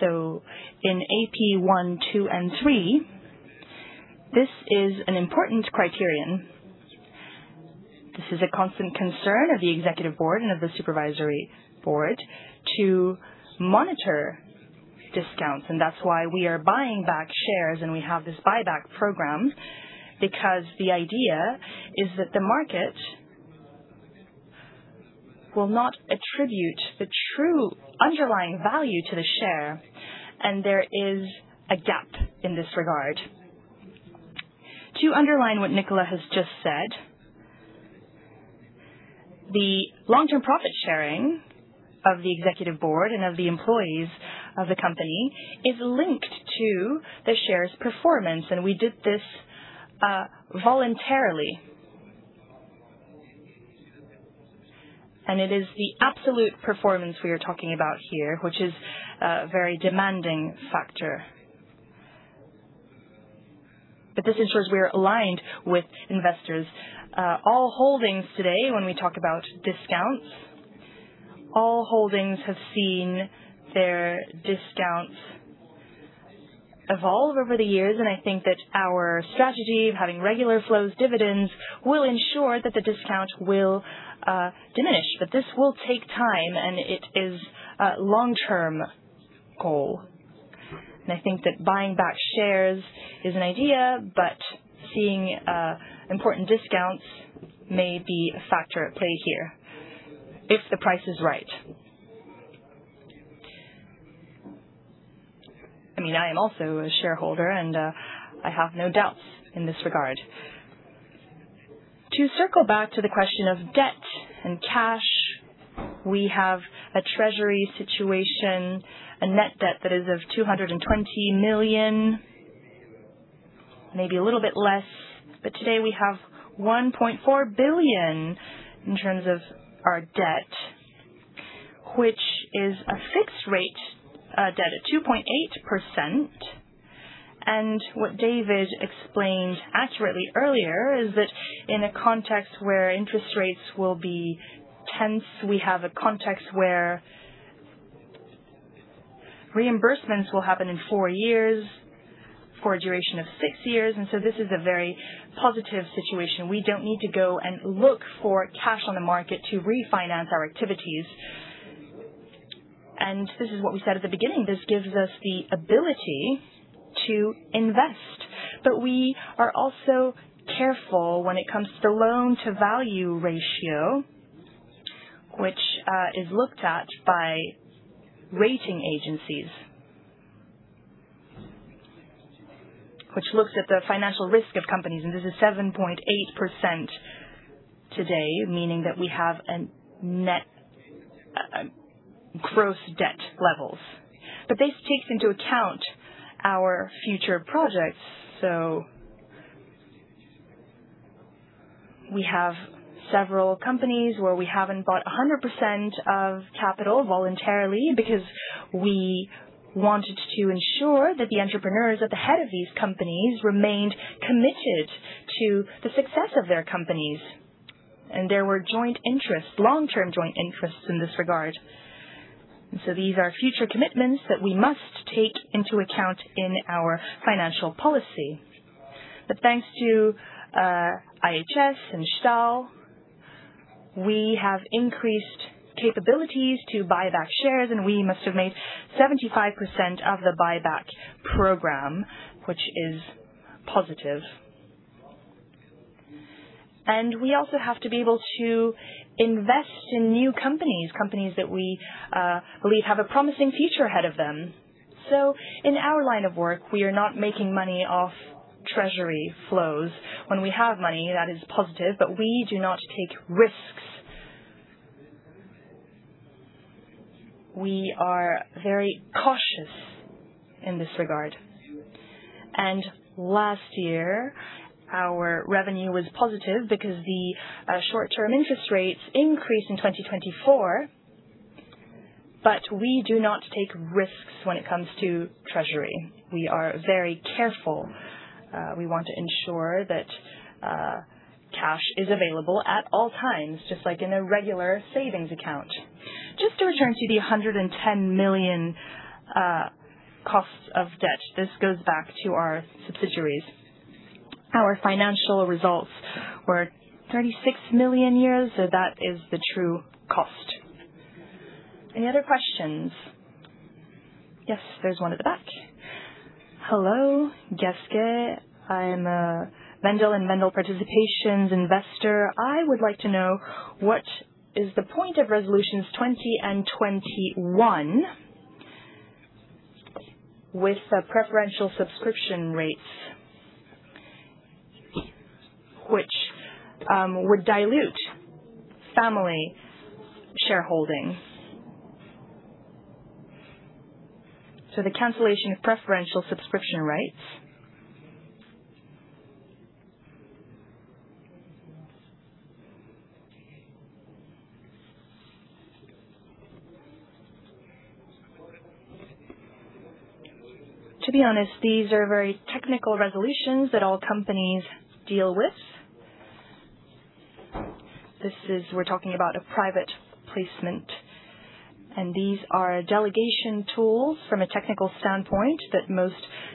In AP1, AP2, and AP3, this is an important criterion. This is a constant concern of the executive board and of the supervisory board to monitor discounts. That's why we are buying back shares. We have this buyback program because the idea is that the market will not attribute the true underlying value to the share. There is a gap in this regard. To underline what Nicola has just said, the long-term profit sharing of the executive board and of the employees of the company is linked to the share's performance. We did this voluntarily. It is the absolute performance we are talking about here, which is a very demanding factor. This ensures we are aligned with investors. All holdings today, when we talk about discounts, all holdings have seen their discounts evolve over the years. I think that our strategy of having regular flows dividends will ensure that the discount will diminish. This will take time, it is a long-term goal. I think that buying back shares is an idea, seeing important discounts may be a factor at play here if the price is right. I am also a shareholder, I have no doubts in this regard. To circle back to the question of debt and cash, we have a treasury situation, a net debt that is of 220 million, maybe a little bit less. Today, we have 1.4 billion in terms of our debt, which is a fixed rate debt at 2.8%. What David explained accurately earlier is that in a context where interest rates will be tense, we have a context where reimbursements will happen in four years for a duration of six years, this is a very positive situation. We don't need to go and look for cash on the market to refinance our activities. This is what we said at the beginning, this gives us the ability to invest. We are also careful when it comes to the loan-to-value ratio, which is looked at by rating agencies, which looks at the financial risk of companies, and this is 7.8% today, meaning that we have gross debt levels. This takes into account our future projects. We have several companies where we haven't bought 100% of capital voluntarily because we wanted to ensure that the entrepreneurs at the head of these companies remained committed to the success of their companies, and there were joint interests, long-term joint interests in this regard. These are future commitments that we must take into account in our financial policy. Thanks to IHS and Stahl, we have increased capabilities to buy back shares. We must have made 75% of the buyback program, which is positive. We also have to be able to invest in new companies that we believe have a promising future ahead of them. In our line of work, we are not making money off treasury flows. When we have money, that is positive, but we do not take risks. We are very cautious in this regard. Last year, our revenue was positive because the short-term interest rates increased in 2024, but we do not take risks when it comes to treasury. We are very careful. We want to ensure that cash is available at all times, just like in a regular savings account. To return to the 110 million costs of debt, this goes back to our subsidiaries. Our financial results were 36 million a year, that is the true cost. Any other questions? Yes, there's one at the back. Hello. Gasque. I'm a Wendel and Wendel-Participations investor. I would like to know what is the point of resolutions 20 and 21 with preferential subscription rates which would dilute family shareholding. The cancellation of preferential subscription rights. To be honest, these are very technical resolutions that all companies deal with. We're talking about a private placement, these are delegation tools from a technical standpoint that most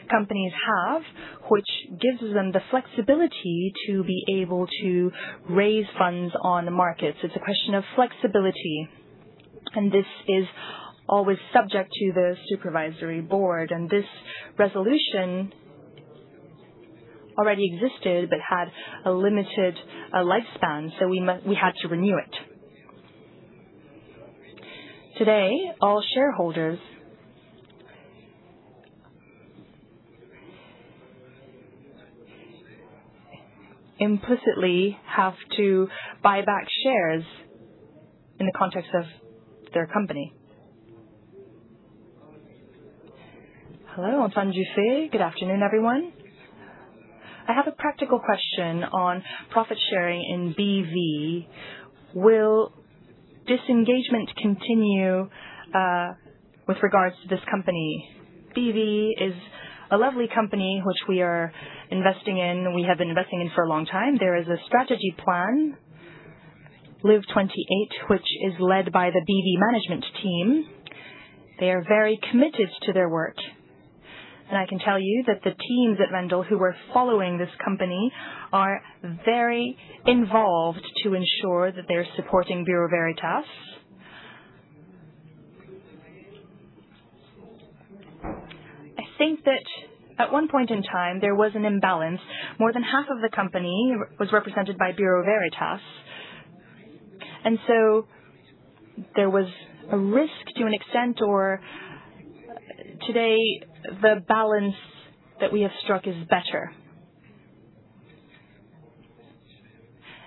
companies have, which gives them the flexibility to be able to raise funds on the markets. It's a question of flexibility, this is always subject to the supervisory board, this resolution already existed but had a limited lifespan, we had to renew it. Today, all shareholders implicitly have to buy back shares in the context of their company. Hello. Antoine Jusse. Good afternoon, everyone. I have a practical question on profit-sharing in BV. Will disengagement continue with regards to this company? BV is a lovely company which we are investing in, we have been investing in for a long time. There is a strategy plan, LEAP | 28, which is led by the BV management team. They are very committed to their work, I can tell you that the teams at Wendel who are following this company are very involved to ensure that they're supporting Bureau Veritas. I think that at one point in time, there was an imbalance. More than half of the company was represented by Bureau Veritas. There was a risk to an extent, or today, the balance that we have struck is better.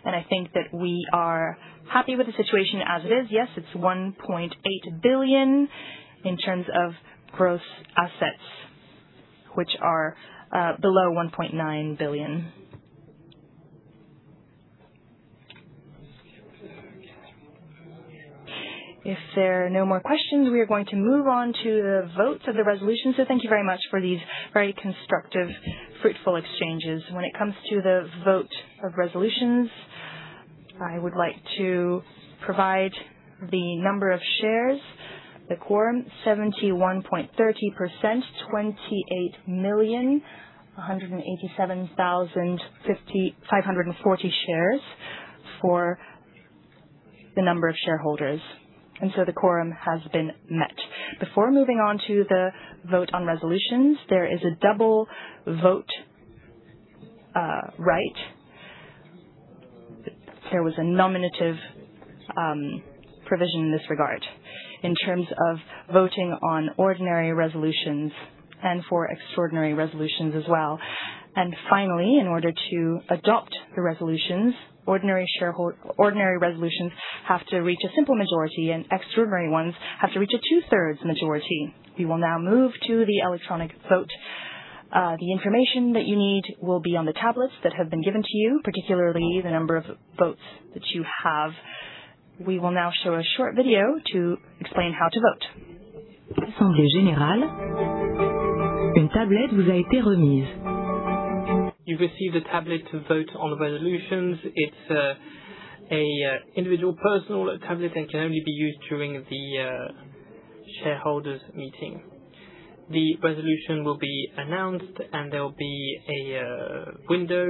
I think that we are happy with the situation as it is. Yes, it's 1.8 billion in terms of gross assets, which are below EUR 1.9 billion. If there are no more questions, we are going to move on to the votes of the resolution. Thank you very much for these very constructive, fruitful exchanges. When it comes to the vote of resolutions, I would like to provide the number of shares, the quorum, 71.30%, 28,187,540 shares for the number of shareholders. The quorum has been met. Before moving on to the vote on resolutions, there is a double vote right. There was a nominative provision in this regard in terms of voting on ordinary resolutions and for extraordinary resolutions as well. Finally, in order to adopt the resolutions, ordinary resolutions have to reach a simple majority and extraordinary ones have to reach a two-thirds majority. We will now move to the electronic vote. The information that you need will be on the tablets that have been given to you, particularly the number of votes that you have. We will now show a short video to explain how to vote. You've received a tablet to vote on the resolutions. It's an individual personal tablet and can only be used during the shareholders' meeting. The resolution will be announced. There will be a window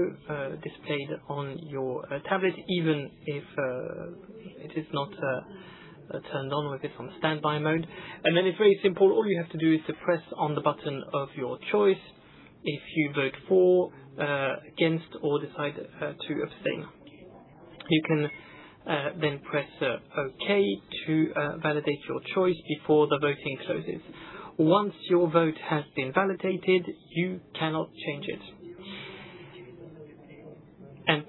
displayed on your tablet, even if it is not turned on or if it's on standby mode. It's very simple. All you have to do is to press on the button of your choice if you vote for, against, or decide to abstain. You can then press OK to validate your choice before the voting closes. Once your vote has been validated, you cannot change it.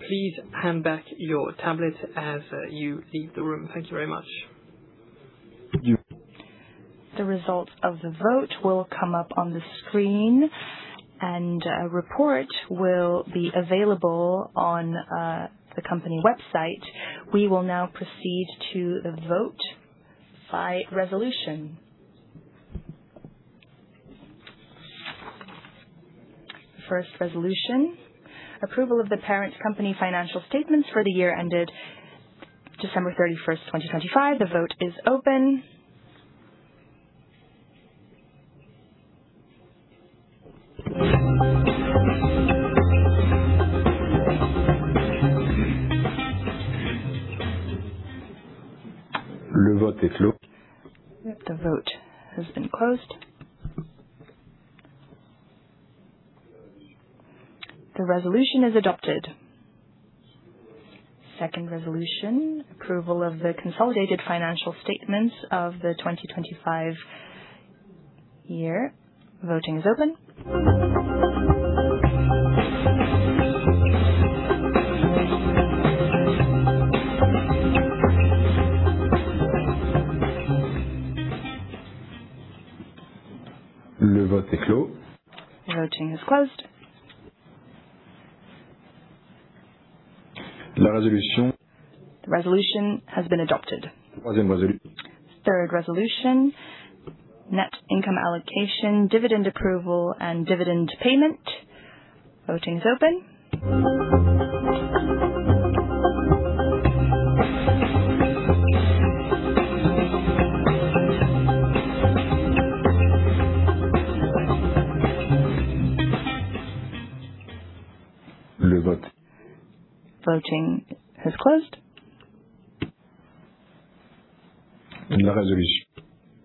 Please hand back your tablet as you leave the room. Thank you very much. Thank you. The results of the vote will come up on the screen and a report will be available on the company website. We will now proceed to the vote by resolution. First resolution, approval of the parent company financial statements for the year ended December 31st, 2025. The vote is open. The vote has been closed. The resolution is adopted. Second resolution, approval of the consolidated financial statements of the 2025 year. Voting is open. Voting is closed. The resolution has been adopted. Third resolution, net income allocation, dividend approval, and dividend payment. Voting is open. Voting has closed.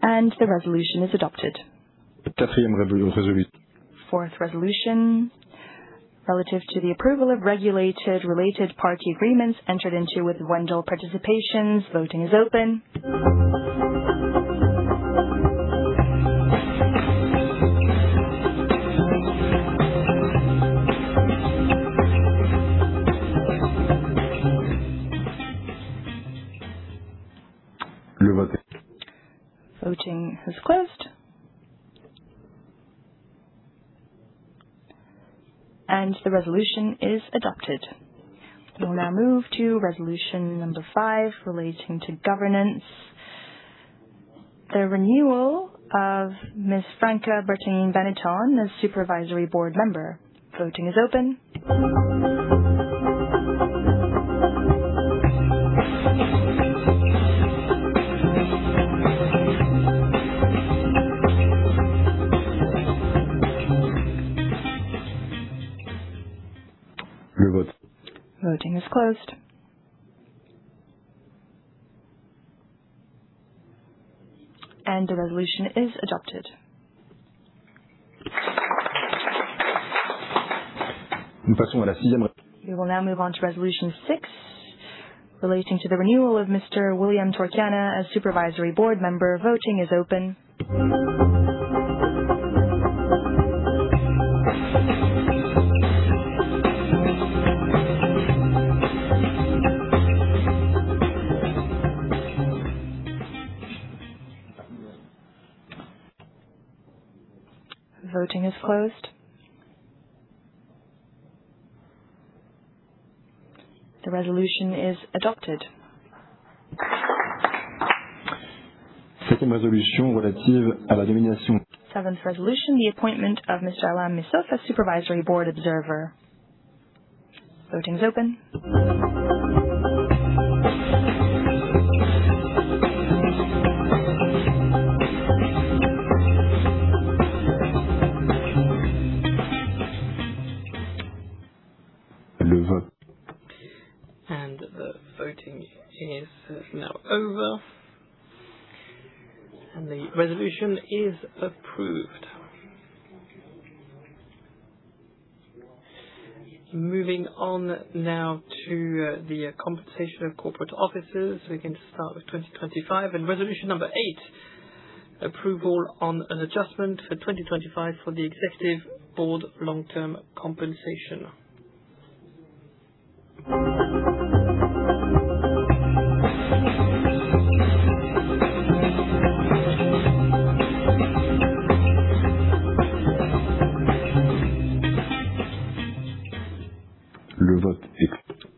The resolution is adopted. Fourth resolution, relative to the approval of regulated related party agreements entered into with Wendel-Participations. Voting is open. Voting has closed. Thus, the resolution is adopted. We will now move to resolution number five relating to governance. The renewal of Ms. Franca Bertagnin Benetton as Supervisory Board Member. Voting is open. The vote. Voting is closed. The resolution is adopted. We will now move on to resolution six, relating to the renewal of Mr. William Torchiana as Supervisory Board Member. Voting is open. Voting is closed. The resolution is adopted. Seventh resolution, the appointment of Alain Missoffe, Supervisory Board Observer. Voting is open. The vote. The voting is now over. The resolution is approved. Moving on now to the compensation of corporate officers. We can start with 2025 and resolution number eight, approval on an adjustment for 2025 for the Executive Board long-term compensation.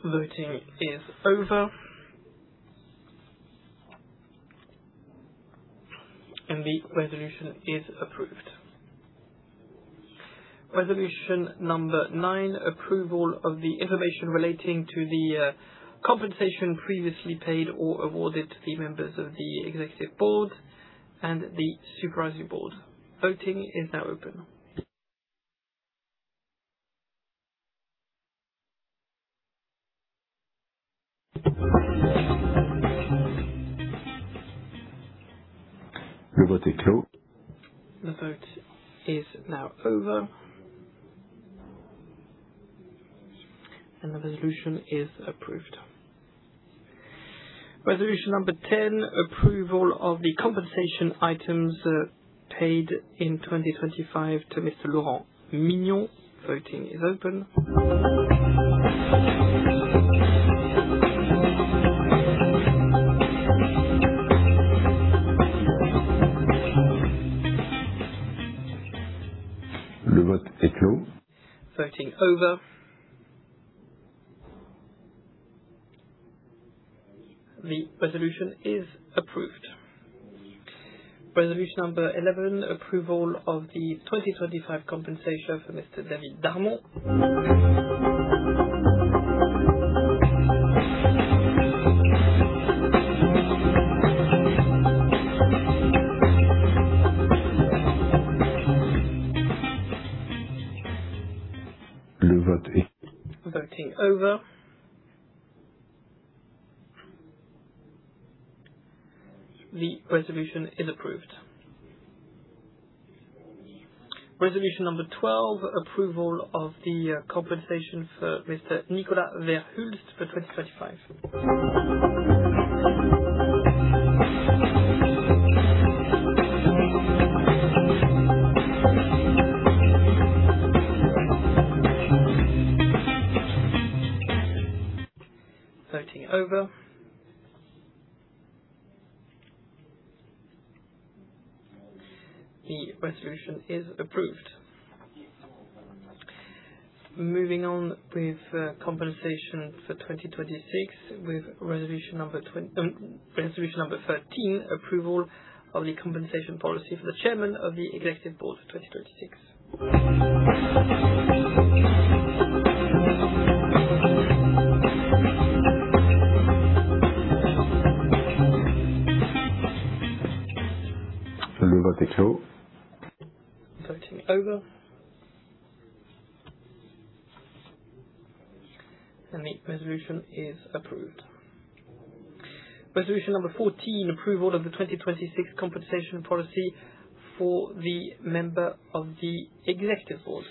Voting is over. The resolution is approved. Resolution number nine, approval of the information relating to the compensation previously paid or awarded to the members of the executive board and the supervisory board. Voting is now open. The vote is now over. The resolution is approved. Resolution number 10, approval of the compensation items paid in 2025 to Mr. Laurent Mignon. Voting is open. Voting over. The resolution is approved. Resolution number 11, approval of the 2025 compensation for Mr. David Darmon. Voting over. The resolution is approved. Resolution number 12, approval of the compensation for Mr. Nicolas ver Hulst for 2025. Voting over. The resolution is approved. Moving on with compensation for 2026 with Resolution number 13, approval of the compensation policy for the chairman of the executive board for 2026. Voting over. The resolution is approved. Resolution number 14, approval of the 2026 compensation policy for the member of the executive board.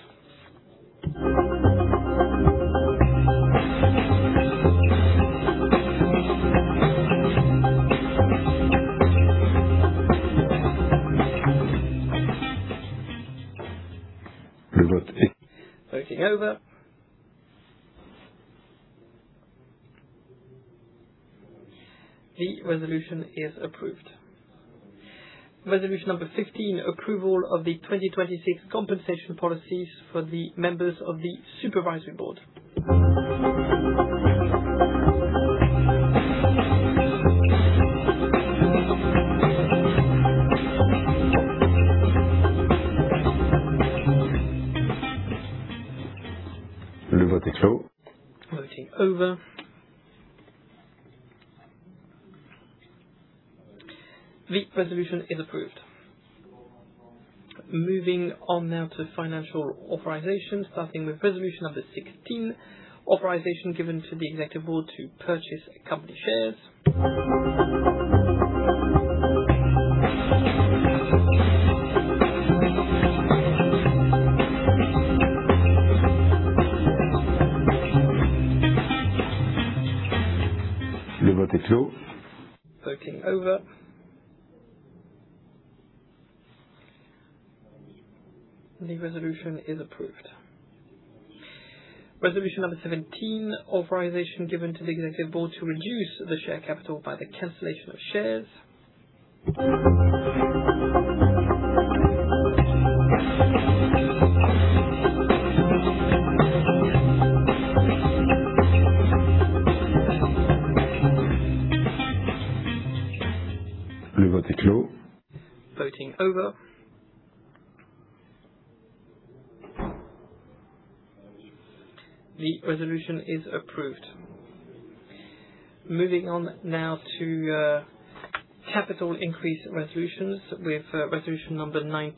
Voting over. The resolution is approved. Resolution number 15, approval of the 2026 compensation policies for the members of the Supervisory Board. Voting over. The resolution is approved. Moving on now to financial authorization, starting with Resolution number 16, authorization given to the Executive Board to purchase company shares. Voting over. The resolution is approved. Resolution number 17, authorization given to the Executive Board to reduce the share capital by the cancellation of shares. Voting over. The resolution is approved. Moving on now to capital increase resolutions with Resolution number 18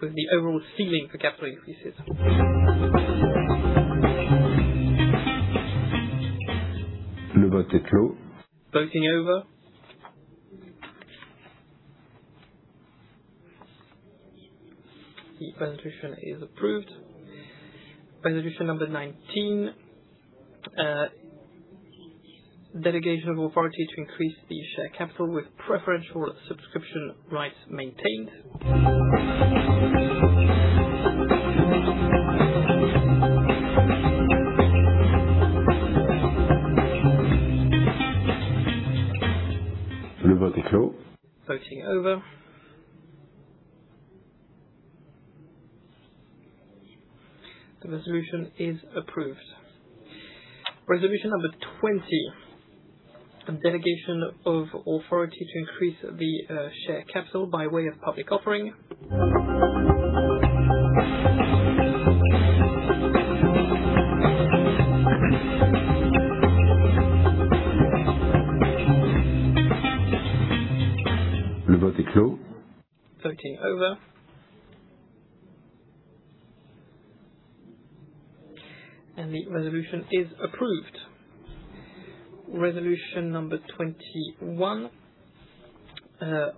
with the overall ceiling for capital increases. Voting over. The resolution is approved. Resolution number 19, delegation of authority to increase the share capital with preferential subscription rights maintained. Voting over. The resolution is approved. Resolution number 20, delegation of authority to increase the share capital by way of public offering. Voting over. The resolution is approved. Resolution number 21,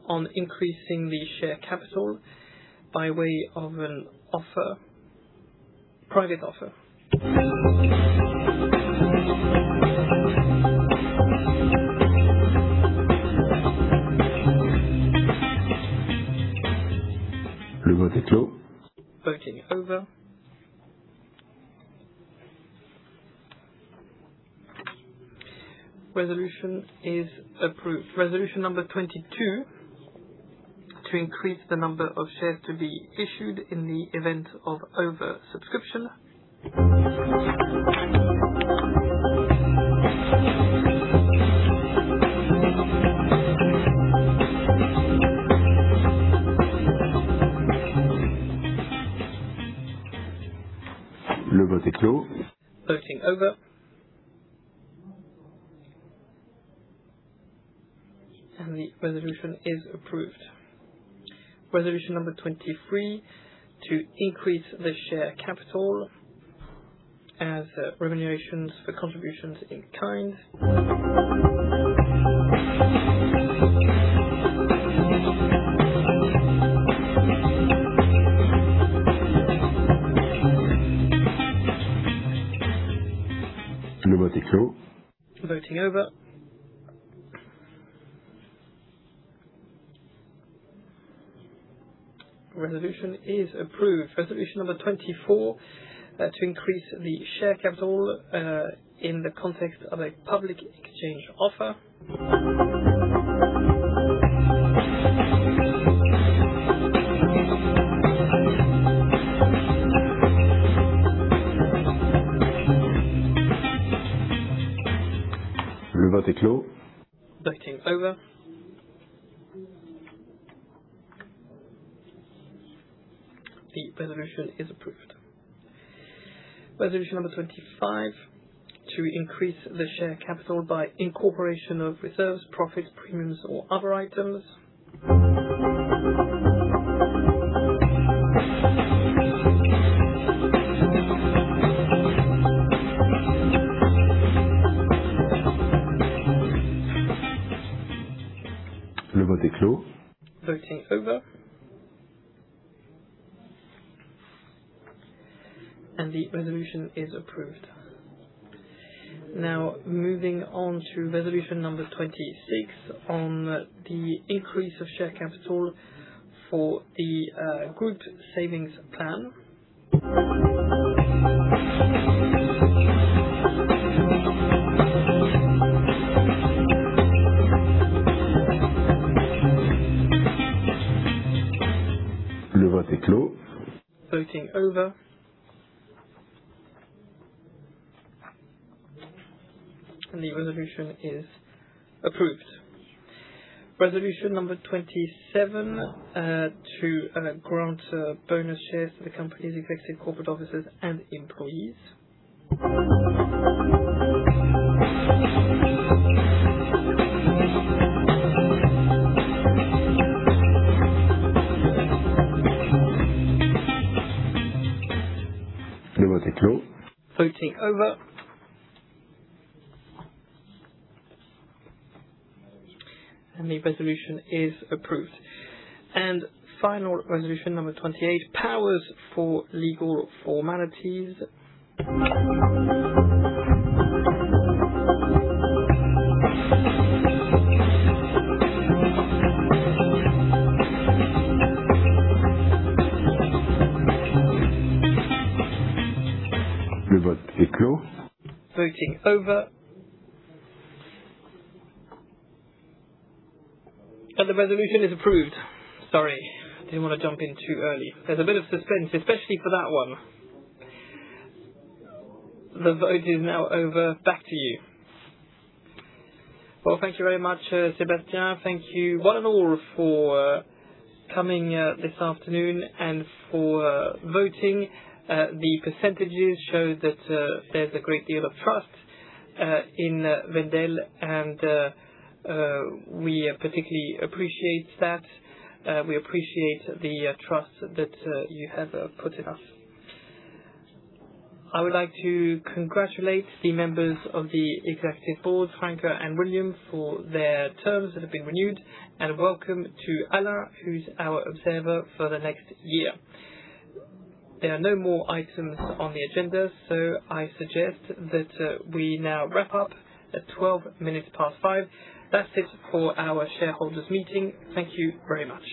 on increasing the share capital by way of a private offer. Voting over. Resolution is approved. Resolution number 22 to increase the number of shares to be issued in the event of over-subscription. Voting over. The resolution is approved. Resolution number 23 to increase the share capital as remunerations for contributions in kind. Voting over. Resolution is approved. Resolution number 24, to increase the share capital, in the context of a public exchange offer. Voting over. The resolution is approved. Resolution number 25 to increase the share capital by incorporation of reserves, profits, premiums, or other items. Voting over. The resolution is approved. Moving on to resolution number 26 on the increase of share capital for the group savings plan. Voting over. The resolution is approved. Resolution number 27, to grant bonus shares to the company's executive corporate officers and employees. Voting over. The resolution is approved. Final resolution number 28, powers for legal formalities. Voting over. The resolution is approved. Sorry, didn't want to jump in too early. There's a bit of suspense, especially for that one. The vote is now over. Back to you. Well, thank you very much, Sébastien. Thank you one and all for coming this afternoon and for voting. The percentages show that there's a great deal of trust in Wendel. We particularly appreciate that. We appreciate the trust that you have put in us. I would like to congratulate the members of the executive board, Franca and William, for their terms that have been renewed. Welcome to Alain, who's our observer for the next year. There are no more items on the agenda, so I suggest that we now wrap up at 12 minutes past five. That's it for our shareholders' meeting. Thank you very much.